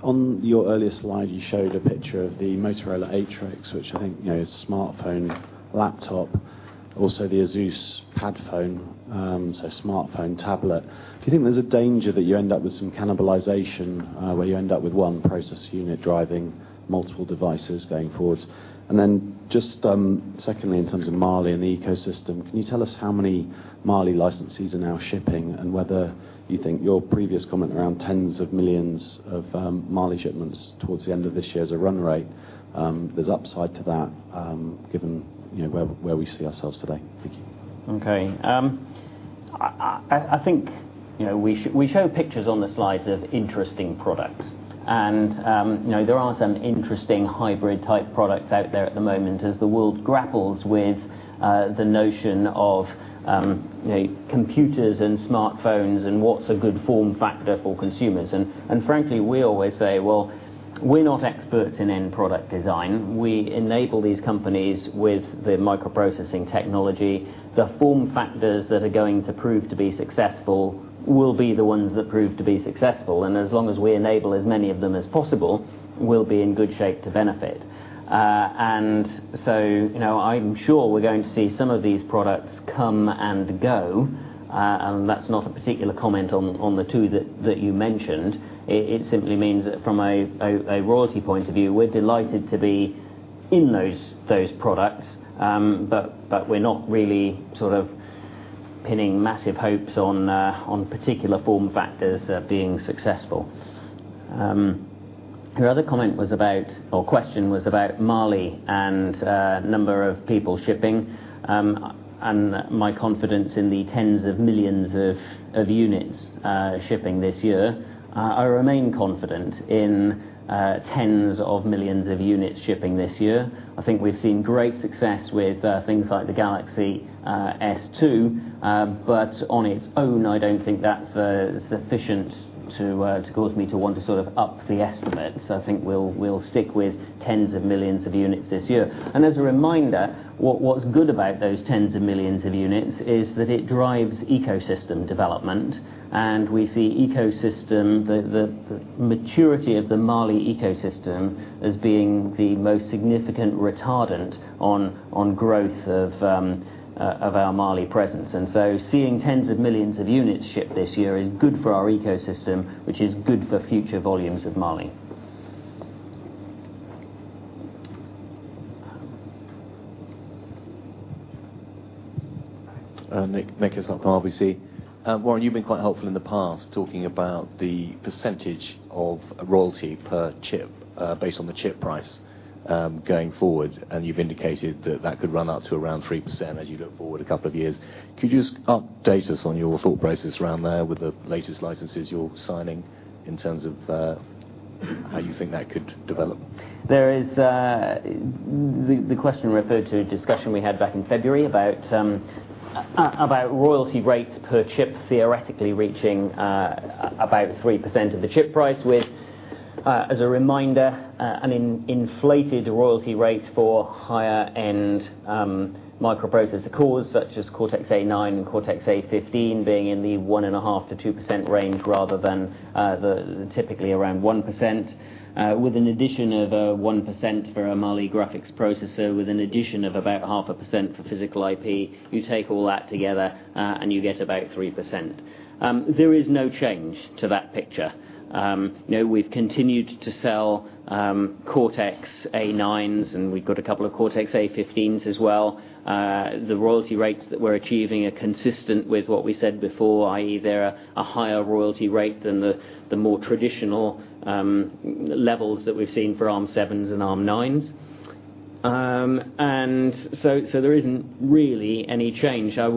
On your earlier slide, you showed a picture of the Motorola Atrix, which I think is a smartphone laptop, also the ASUS headphone, so smartphone tablet. Do you think there's a danger that you end up with some cannibalization where you end up with one process unit driving multiple devices going forwards? Secondly, in terms of Mali and the ecosystem, can you tell us how many Mali licenses are now shipping and whether you think your previous comment around tens of millions of Mali shipments towards the end of this year as a run rate, there's upside to that given where we see ourselves today? Okay. I think we show pictures on the slides of interesting products. There are some interesting hybrid-type products out there at the moment as the world grapples with the notion of computers and smartphones and what's a good form factor for consumers. Frankly, we always say we're not experts in end product design. We enable these companies with the microprocessing technology. The form factors that are going to prove to be successful will be the ones that prove to be successful. As long as we enable as many of them as possible, we'll be in good shape to benefit. I'm sure we're going to see some of these products come and go. That's not a particular comment on the two that you mentioned. It simply means that from a royalty point of view, we're delighted to be in those products. We're not really sort of pinning massive hopes on particular form factors being successful. Your other comment was about, or question was about Mali and the number of people shipping and my confidence in the tens of millions of units shipping this year. I remain confident in tens of millions of units shipping this year. I think we've seen great success with things like the Galaxy S2. On its own, I don't think that's sufficient to cause me to want to sort of up the estimate. I think we'll stick with tens of millions of units this year. As a reminder, what's good about those tens of millions of units is that it drives ecosystem development. We see ecosystem, the maturity of the Mali ecosystem as being the most significant retardant on growth of our Mali presence. Seeing tens of millions of units shipped this year is good for our ecosystem, which is good for future volumes of Mali. Nick, Nicholas up from RBC. Warren, you've been quite helpful in the past talking about the percentage of royalty per chip based on the chip price going forward. You've indicated that could run up to around 3% as you look forward a couple of years. Could you just update us on your thought process around there with the latest licenses you're signing in terms of how you think that could develop? There is the question referred to a discussion we had back in February about royalty rates per chip theoretically reaching about 3% of the chip price with, as a reminder, an inflated royalty rate for higher-end microprocessor cores such as Cortex-A9 and Cortex-A15 being in the 1.5%-2% range rather than typically around 1%. With an addition of 1% for a Mali graphics processor, with an addition of about 0.5% for physical IP, you take all that together and you get about 3%. There is no change to that picture. We've continued to sell Cortex-A9s and we've got a couple of Cortex-A15s as well. The royalty rates that we're achieving are consistent with what we said before, i.e., they're a higher royalty rate than the more traditional levels that we've seen for Arm 7s and Arm 9s. There isn't really any change. I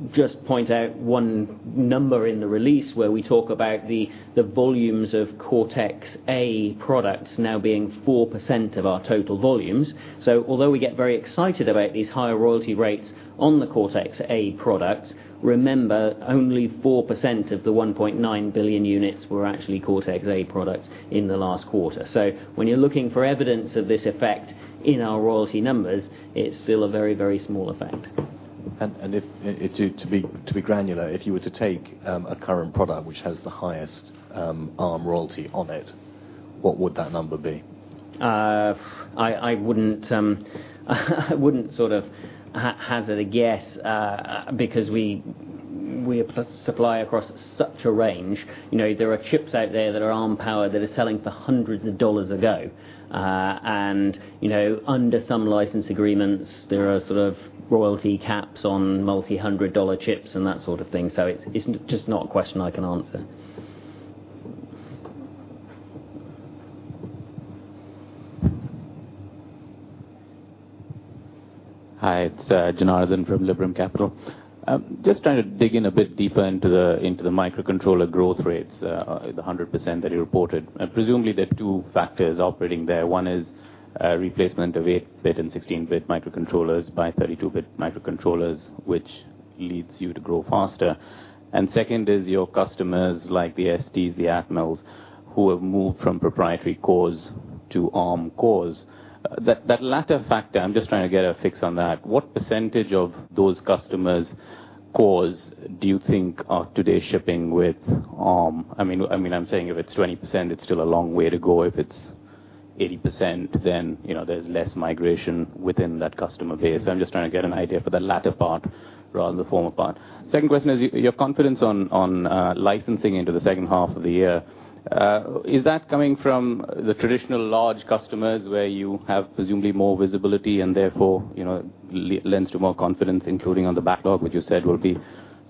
would just point out one number in the release where we talk about the volumes of Cortex-A products now being 4% of our total volumes. Although we get very excited about these higher royalty rates on the Cortex-A products, remember, only 4% of the 1.9 billion units were actually Cortex-A products in the last quarter. When you're looking for evidence of this effect in our royalty numbers, it's still a very, very small effect. To be granular, if you were to take a current product which has the highest Arm royalty on it, what would that number be? I wouldn't sort of hazard a guess because we supply across such a range. There are chips out there that are Arm-powered that are selling for hundreds of dollars a go. Under some license agreements, there are sort of royalty caps on multi-hundred dollar chips and that sort of thing. It's just not a question I can answer. Hi, it's Jonathan from Liberum Capital. Just trying to dig in a bit deeper into the microcontroller growth rates, the 100% that you reported. Presumably, there are two factors operating there. One is replacement of 8-bit and 16-bit microcontrollers by 32-bit microcontrollers, which leads you to grow faster. The second is your customers like the ST, the Atmel, who have moved from proprietary cores to Arm cores. That latter factor, I'm just trying to get a fix on that. What percentage of those customers' cores do you think are today shipping with Arm? I'm saying if it's 20%, it's still a long way to go. If it's 80%, then there's less migration within that customer base. I'm just trying to get an idea for the latter part rather than the former part. Second question is your confidence on licensing into the second half of the year. Is that coming from the traditional large customers where you have presumably more visibility and therefore lends to more confidence, including on the backlog, which you said will be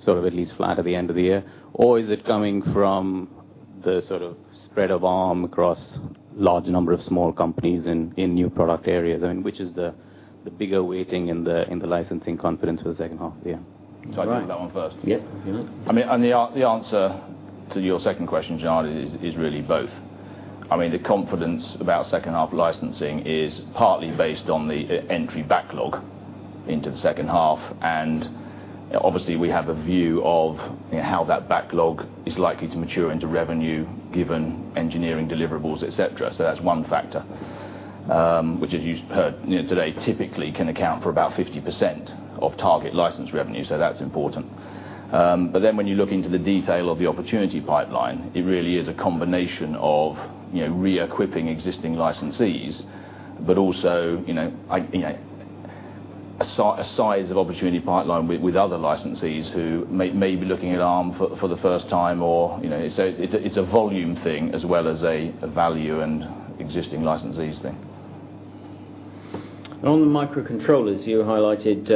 sort of at least flat at the end of the year? Is it coming from the sort of spread of Arm across a large number of small companies in new product areas? Which is the bigger weighting in the licensing confidence for the second half of the year? I think that one first. Yeah. I mean, the answer to your second question, Janardan, is really both. The confidence about second half licensing is partly based on the entry backlog into the second half. Obviously, we have a view of how that backlog is likely to mature into revenue given engineering deliverables, etc. That's one factor, which as you've heard today, typically can account for about 50% of target license revenue. That's important. When you look into the detail of the opportunity pipeline, it really is a combination of re-equipping existing licensees, but also a size of opportunity pipeline with other licensees who may be looking at Arm for the first time. It's a volume thing as well as a value and existing licensees thing. On the microcontrollers, you highlighted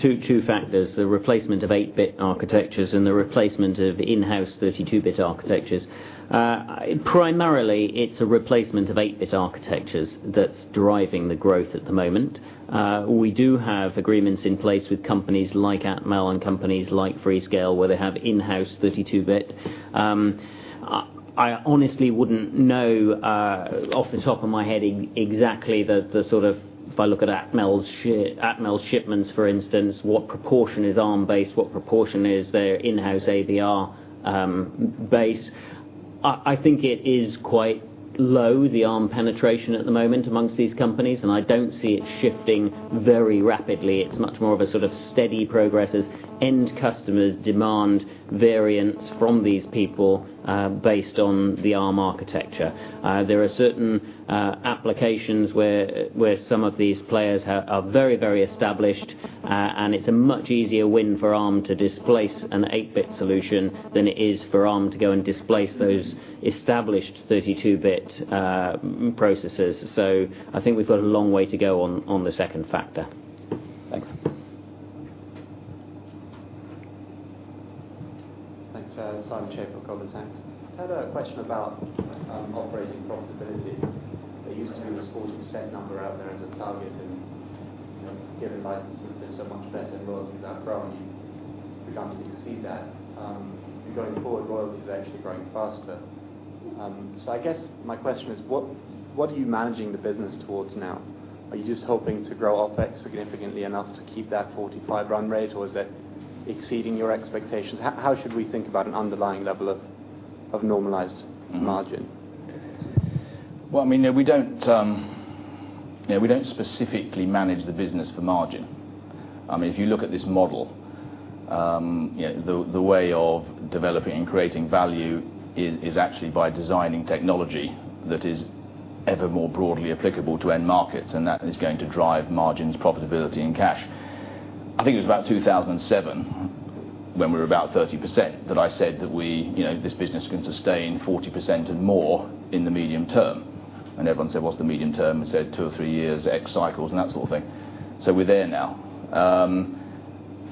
two factors: the replacement of 8-bit architectures and the replacement of in-house 32-bit architectures. Primarily, it's a replacement of 8-bit architectures that's driving the growth at the moment. We do have agreements in place with companies like Atmel and companies like Freescale where they have in-house 32-bit. I honestly wouldn't know off the top of my head exactly the sort of, if I look at Atmel's shipments, for instance, what proportion is Arm-based, what proportion is their in-house AVR based. I think it is quite low, the Arm penetration at the moment amongst these companies. I don't see it shifting very rapidly. It's much more of a sort of steady progress as end customers demand variants from these people based on the Arm architecture. There are certain applications where some of these players are very, very established. It's a much easier win for Arm to displace an 8-bit solution than it is for Arm to go and displace those established 32-bit processors. I think we've got a long way to go on the second factor. Thanks. Simon Chappell of Global Science. I just had a question about operating profitability. There used to be this 40% number out there as a target. Given licenses, there's so much better in royalties. I'm prone to predominantly to see that. Going forward, royalty is actually growing faster. I guess my question is, what are you managing the business towards now? Are you just hoping to grow OpEx significantly enough to keep that 45% run rate, or is it exceeding your expectations? How should we think about an underlying level of normalized margin? I mean, we don't specifically manage the business for margin. If you look at this model, the way of developing and creating value is actually by designing technology that is ever more broadly applicable to end markets. That is going to drive margins, profitability, and cash. I think it was about 2007 when we were about 30% that I said that this business can sustain 40% and more in the medium term. Everyone said, what's the medium term? I said two or three years, X cycles, and that sort of thing. We're there now.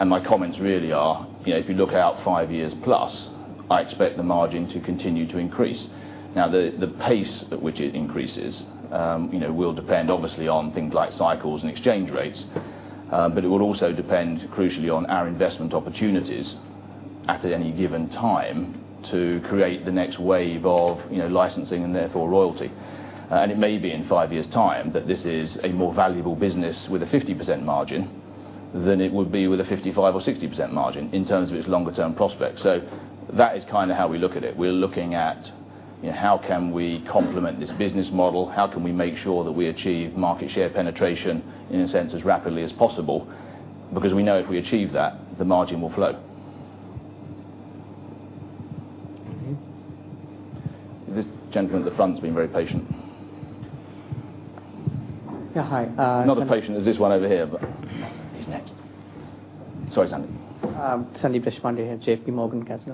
My comments really are, if you look out five years plus, I expect the margin to continue to increase. The pace at which it increases will depend obviously on things like cycles and exchange rates. It will also depend crucially on our investment opportunities at any given time to create the next wave of licensing and therefore royalty. It may be in five years' time that this is a more valuable business with a 50% margin than it would be with a 55% or 60% margin in terms of its longer-term prospects. That is kind of how we look at it. We're looking at how can we complement this business model. How can we make sure that we achieve market share penetration in a sense as rapidly as possible? Because we know if we achieve that, the margin will flow. This gentleman at the front has been very patient. Yeah, hi. Not as patient as this one over here, but he's next. Sorry, Sandy. Sandeep Deshpande here at JPMorgan Chase.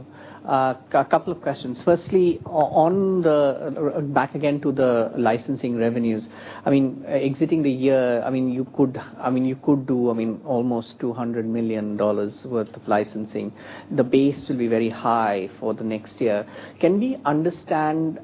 A couple of questions. Firstly, on the back again to the licensing revenues, exiting the year, you could do almost $200 million worth of licensing. The base will be very high for the next year. Can we understand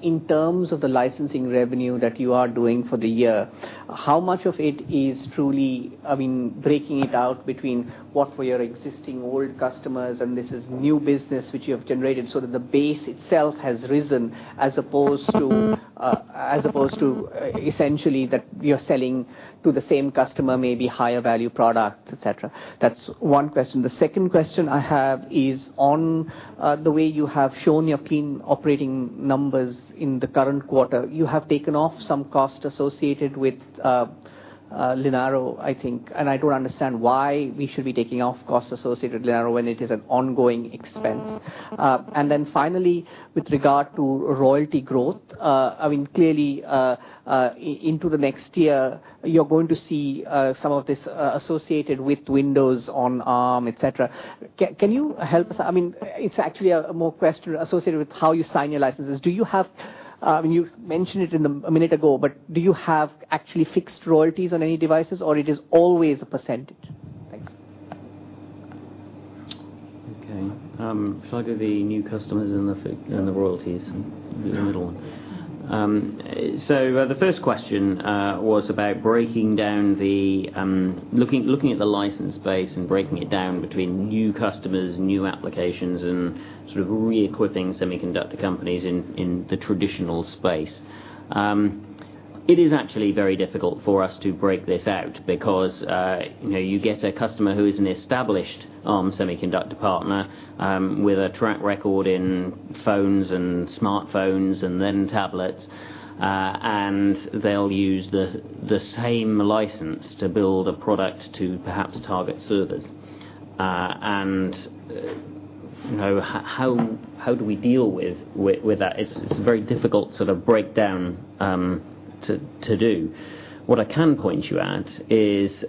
in terms of the licensing revenue that you are doing for the year, how much of it is truly, breaking it out between what were your existing old customers and this is new business which you have generated so that the base itself has risen as opposed to essentially that you're selling to the same customer, maybe higher value product, etc.? That's one question. The second question I have is on the way you have shown your key operating numbers in the current quarter. You have taken off some costs associated with Linaro, I think. I don't understand why we should be taking off costs associated with Linaro when it is an ongoing expense. Finally, with regard to royalty growth, clearly into the next year, you're going to see some of this associated with Windows 8 on Arm, etc. Can you help us? It's actually a more question associated with how you sign your licenses. You mentioned it a minute ago, but do you have actually fixed royalties on any devices or is it always a percentage? Thanks. Okay. Shall I do the new customers and the royalties? Sure. The first question was about breaking down the license space and breaking it down between new customers, new applications, and sort of re-equipping semiconductor companies in the traditional space. It is actually very difficult for us to break this out because you get a customer who is an established Arm semiconductor partner with a track record in phones and smartphones and then tablets. They'll use the same license to build a product to perhaps target servers. How do we deal with that? It's a very difficult sort of breakdown to do. What I can point you at is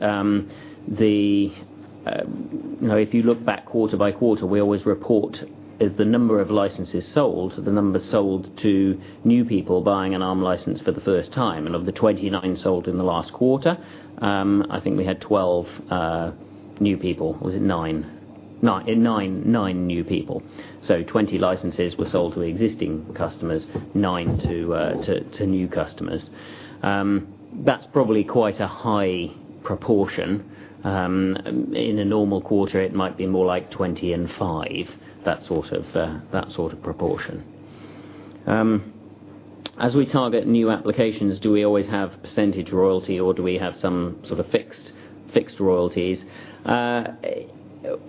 if you look back quarter by quarter, we always report the number of licenses sold, the number sold to new people buying an Arm Holdings license for the first time. Of the 29 sold in the last quarter, I think we had 12 new people. Was it nine? Nine new people. 20 licenses were sold to existing customers, nine to new customers. That's probably quite a high proportion. In a normal quarter, it might be more like 20 and 5, that sort of proportion. As we target new applications, do we always have percentage royalty or do we have some sort of fixed royalties?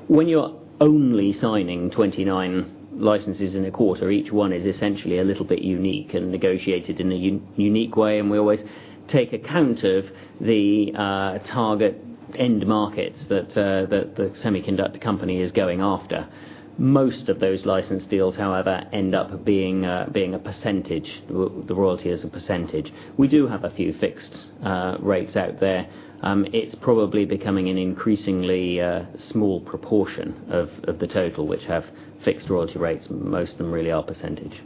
When you're only signing 29 licenses in a quarter, each one is essentially a little bit unique and negotiated in a unique way. We always take account of the target end markets that the semiconductor company is going after. Most of those license deals, however, end up being a percentage. The royalty is a percentage. We do have a few fixed rates out there. It's probably becoming an increasingly small proportion of the total which have fixed royalty rates. Most of them really are percentage.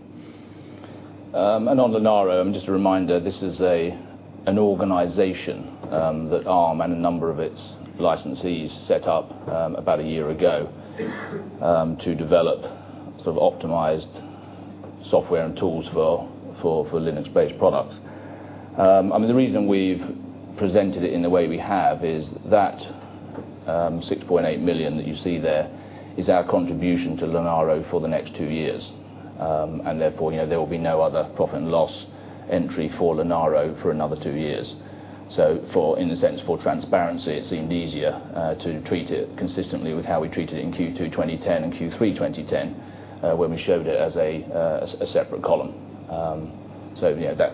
On Linaro, just a reminder, this is an organization that Arm and a number of its licensees set up about a year ago to develop optimized software and tools for Linux-based products. The reason we've presented it in the way we have is that $6.8 million that you see there is our contribution to Linaro for the next two years. Therefore, there will be no other profit and loss entry for Linaro for another two years. In a sense, for transparency, it seemed easier to treat it consistently with how we treated it in Q2 2010 and Q3 2010 when we showed it as a separate column.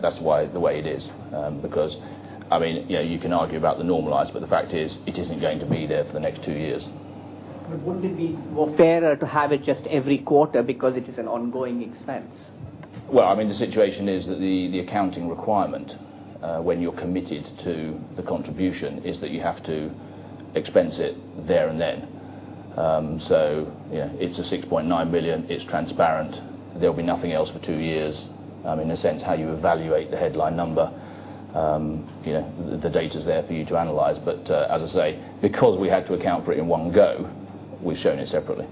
That's why it is the way it is because you can argue about the normalized, but the fact is it isn't going to be there for the next two years. Wouldn't it be more fair to have it just every quarter because it is an ongoing expense? The situation is that the accounting requirement when you're committed to the contribution is that you have to expense it there and then. It's $6.9 million. It's transparent. There'll be nothing else for two years. In a sense, how you evaluate the headline number, the data is there for you to analyze. As I say, because we had to account for it in one go, we've shown it separately.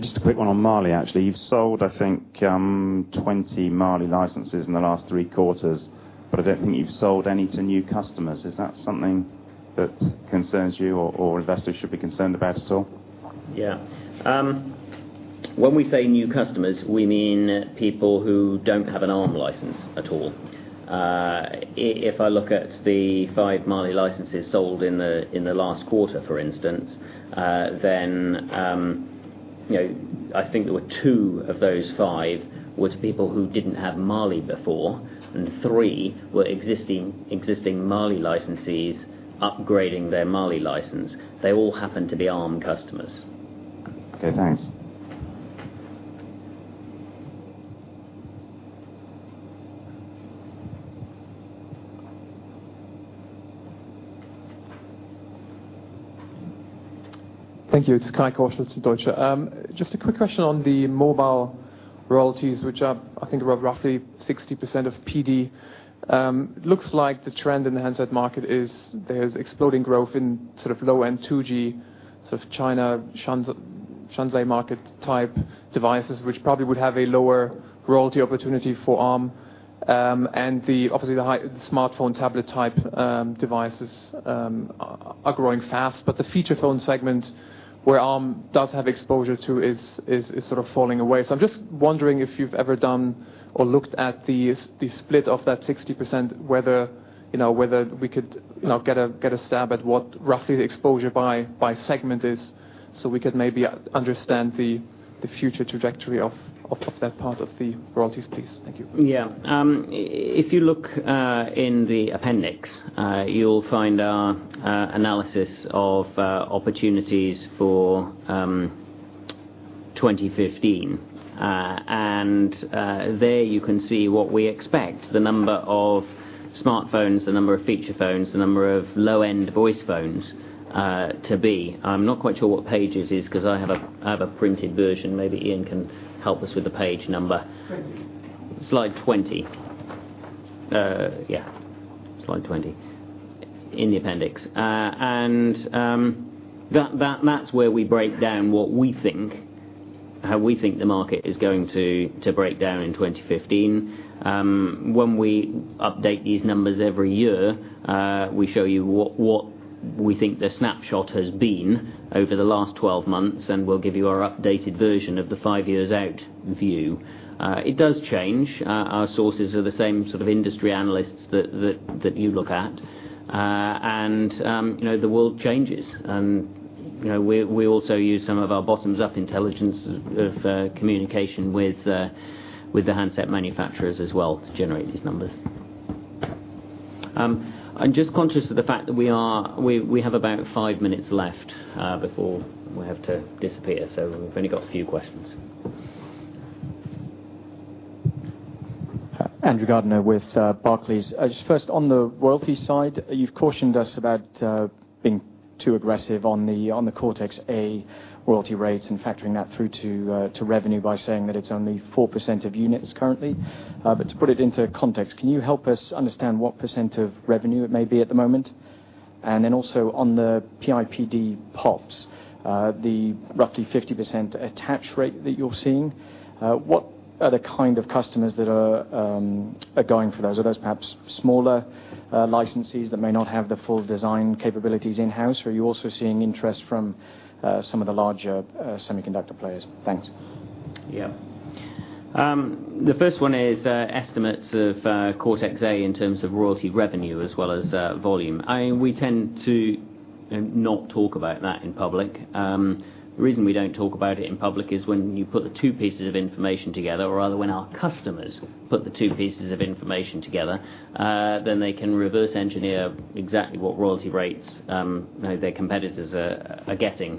Just a quick one on Mali, actually. You've sold, I think, 20 Mali licenses in the last three quarters, but I don't think you've sold any to new customers. Is that something that concerns you or investors should be concerned about at all? Yeah. When we say new customers, we mean people who don't have an Arm license at all. If I look at the five Mali licenses sold in the last quarter, for instance, I think there were two of those five to people who didn't have Mali before, and three were existing Mali licensees upgrading their Mali license. They all happened to be Arm customers. Okay. Thanks. Thank you. It's Kai Niklas Walter of Deutsche Bank. Just a quick question on the mobile royalties, which I think are roughly 60% of PD. It looks like the trend in the handset market is there's exploding growth in sort of low-end 2G sort of China Shanzhai market type devices, which probably would have a lower royalty opportunity for Arm Holdings. Obviously, the smartphone tablet type devices are growing fast. The feature phone segment where Arm Holdings does have exposure to is sort of falling away. I'm just wondering if you've ever done or looked at the split of that 60%, whether we could get a stab at what roughly the exposure by segment is so we could maybe understand the future trajectory of that part of the royalties, please. Thank you. Yeah. If you look in the appendix, you'll find our analysis of opportunities for 2015. There, you can see what we expect the number of smartphones, the number of feature phones, the number of low-end voice phones to be. I'm not quite sure what page it is because I have a printed version. Maybe Ian can help us with the page number. Slide 20. Yeah, slide 20 in the appendix. That's where we break down what we think the market is going to break down in 2015. When we update these numbers every year, we show you what we think the snapshot has been over the last 12 months. We'll give you our updated version of the five years out view. It does change. Our sources are the same sort of industry analysts that you look at. The world changes. We also use some of our bottoms-up intelligence of communication with the handset manufacturers as well to generate these numbers. I'm just conscious of the fact that we have about five minutes left before we have to disappear. We've only got a few questions. Andrew Gardiner with Barclays. Just first, on the royalty side, you've cautioned us about being too aggressive on the Cortex-A royalty rates and factoring that through to revenue by saying that it's only 4% of units currently. To put it into context, can you help us understand what % of revenue it may be at the moment? Also, on the PIPD POPs, the roughly 50% attach rate that you're seeing, what are the kind of customers that are going for those? Are those perhaps smaller licensees that may not have the full design capabilities in-house? Are you also seeing interest from some of the larger semiconductor players? Thanks. Yeah. The first one is estimates of Cortex-A in terms of royalty revenue as well as volume. We tend to not talk about that in public. The reason we don't talk about it in public is when you put the two pieces of information together, or rather when our customers put the two pieces of information together, they can reverse engineer exactly what royalty rates their competitors are getting.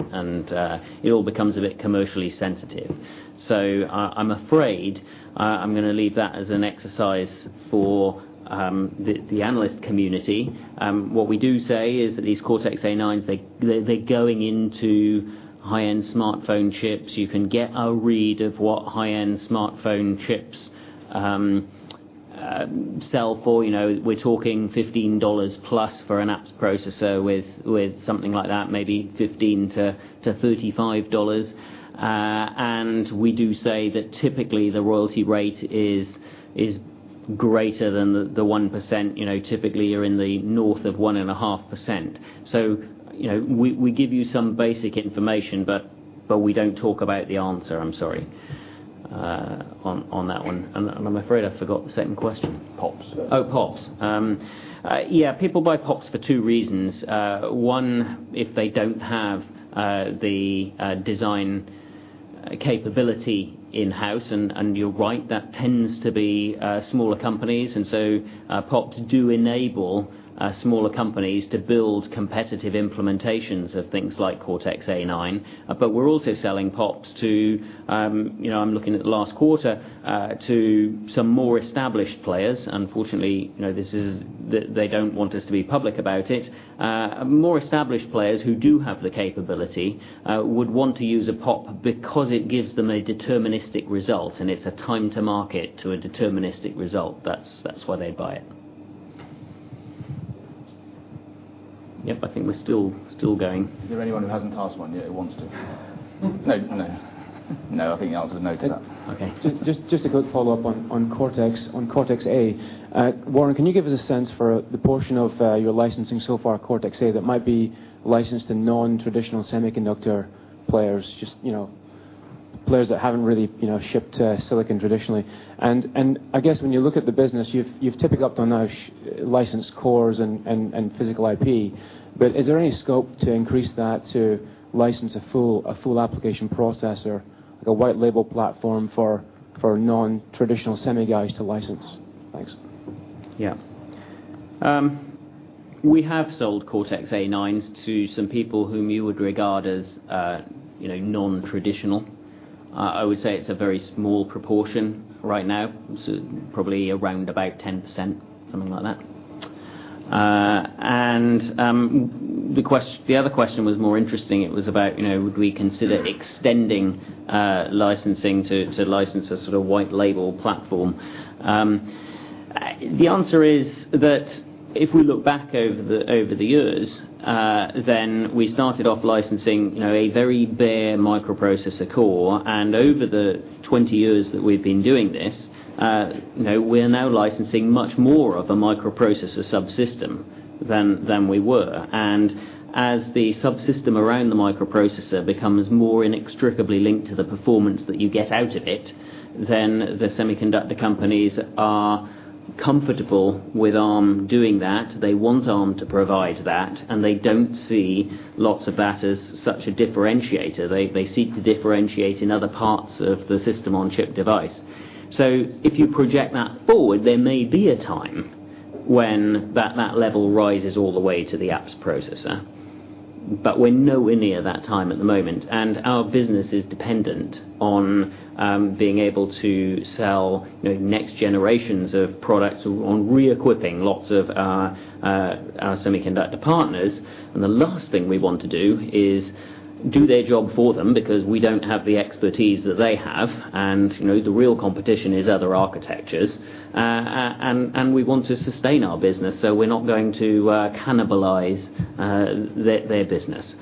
It all becomes a bit commercially sensitive. I'm afraid I'm going to leave that as an exercise for the analyst community. What we do say is that these Cortex-A9, they're going into high-end smartphone chips. You can get a read of what high-end smartphone chips sell for. We're talking $15+ for an apps processor with something like that, maybe $15-$35. We do say that typically, the royalty rate is greater than 1%. Typically, you're in the north of 1.5%. We give you some basic information, but we don't talk about the answer. I'm sorry on that one. I'm afraid I forgot the second question. POPs. Oh, POPs. Yeah, people buy POPs for two reasons. One, if they don't have the design capability in-house. You're right, that tends to be smaller companies, and so POPs do enable smaller companies to build competitive implementations of things like Cortex-A9. We're also selling POPs to, looking at the last quarter, some more established players. Unfortunately, they don't want us to be public about it. More established players who do have the capability would want to use a POP because it gives them a deterministic result, and it's a time-to-market to a different openness to the result. That's why they buy it. Yep, I think we're still going. Is there anyone who hasn't asked one yet who wants to? No, I think the answer's no to that. Okay. Just a quick follow-up on Cortex, on Cortex-A. Warren, can you give us a sense for the portion of your licensing so far at Cortex-A that might be licensed to non-traditional semiconductor players? Players that haven't really shipped silicon traditionally. When you look at the business, you've typically up to now licensed cores and physical IP. Is there any scope to increase that to license a full application processor, like a white label platform for non-traditional semi guys to license? Thanks. Yeah. We have sold Cortex-A9s to some people whom you would regard as, you know, non-traditional. I would say it's a very small proportion right now, so probably around about 10%, something like that. The other question was more interesting. It was about, you know, would we consider extending licensing to license a sort of white label platform? The answer is that if we look back over the years, then we started off licensing, you know, a very bare microprocessor core. Over the 20 years that we've been doing this, we're now licensing much more of a microprocessor subsystem than we were. As the subsystem around the microprocessor becomes more inextricably linked to the performance that you get out of it, the semiconductor companies are comfortable with Arm doing that. They want Arm to provide that, and they don't see lots of that as such a differentiator. They seek to differentiate in other parts of the system on chip device. If you project that forward, there may be a time when that level rises all the way to the apps processor. We're nowhere near that time at the moment. Our business is dependent on being able to sell next generations of products on re-equipping lots of our semiconductor partners. The last thing we want to do is do their job for them because we don't have the expertise that they have. The real competition is other architectures, and we want to sustain our business. We're not going to cannibalize their business.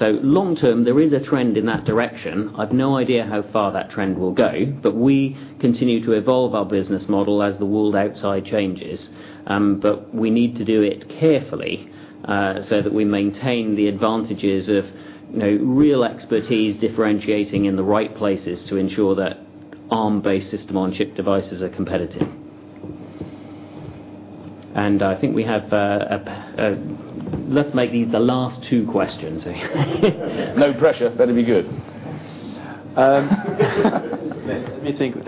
Long term, there is a trend in that direction. I have no idea how far that trend will go. We continue to evolve our business model as the world outside changes. We need to do it carefully so that we maintain the advantages of real expertise differentiating in the right places to ensure that Arm-based system on chip devices are competitive. I think we have, let's make these the last two questions. No pressure. Better be good. Let me think.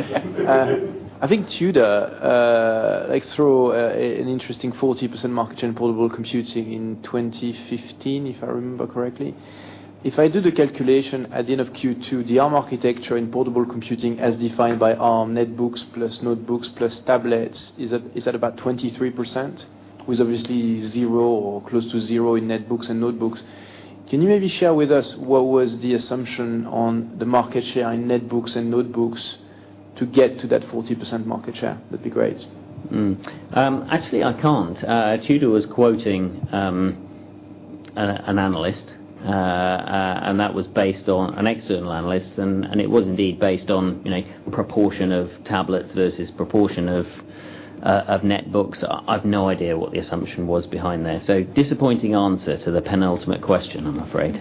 I think Tudor, they throw an interesting 40% market in portable computing in 2015, if I remember correctly. If I do the calculation at the end of Q2, the Arm architecture in portable computing as defined by Arm netbooks plus notebooks plus tablets is at about 23% with obviously zero or close to zero in netbooks and notebooks. Can you maybe share with us what was the assumption on the market share in netbooks and notebooks to get to that 40% market share? That'd be great. Actually, I can't. Tudor was quoting an analyst. That was based on an external analyst, and it was indeed based on a proportion of tablets versus a proportion of netbooks. I have no idea what the assumption was behind there. Disappointing answer to the penultimate question, I'm afraid.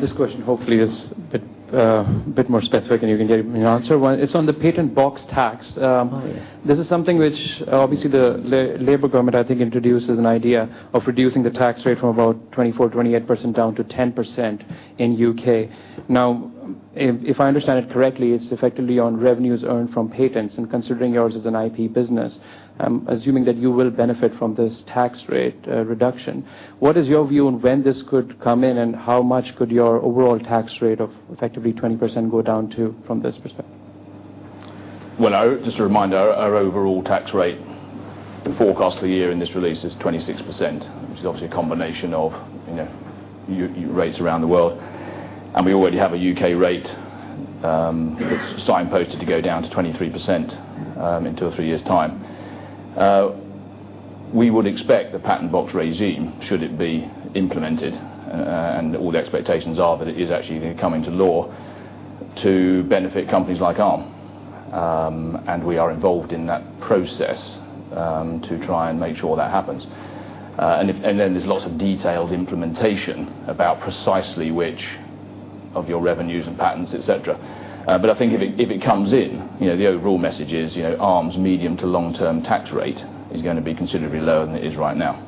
This question hopefully is a bit more specific. You can give me an answer. It's on the Patent Box Tax. This is something which obviously the Labour Government, I think, introduced as an idea of reducing the tax rate from about 24%, 28% down to 10% in the U.K.. Now, if I understand it correctly, it's effectively on revenues earned from patents. Considering yours is an IP business, I'm assuming that you will benefit from this tax rate reduction. What is your view on when this could come in and how much could your overall tax rate of effectively 20% go down to from this perspective? Our overall tax rate forecast for the year in this release is 26%, which is obviously a combination of your rates around the world. We already have a U.K. rate that's signposted to go down to 23% in two or three years' time. We would expect the patent box regime, should it be implemented, and all the expectations are that it is actually going to come into law to benefit companies like Arm. We are involved in that process to try and make sure that happens. There's lots of detailed implementation about precisely which of your revenues and patents, et cetera. I think if it comes in, the overall message is Arm's medium to long-term tax rate is going to be considerably lower than it is right now.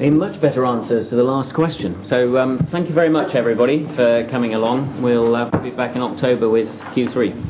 A much better answer to the last question. Thank you very much, everybody, for coming along. We'll be back in October with Q3.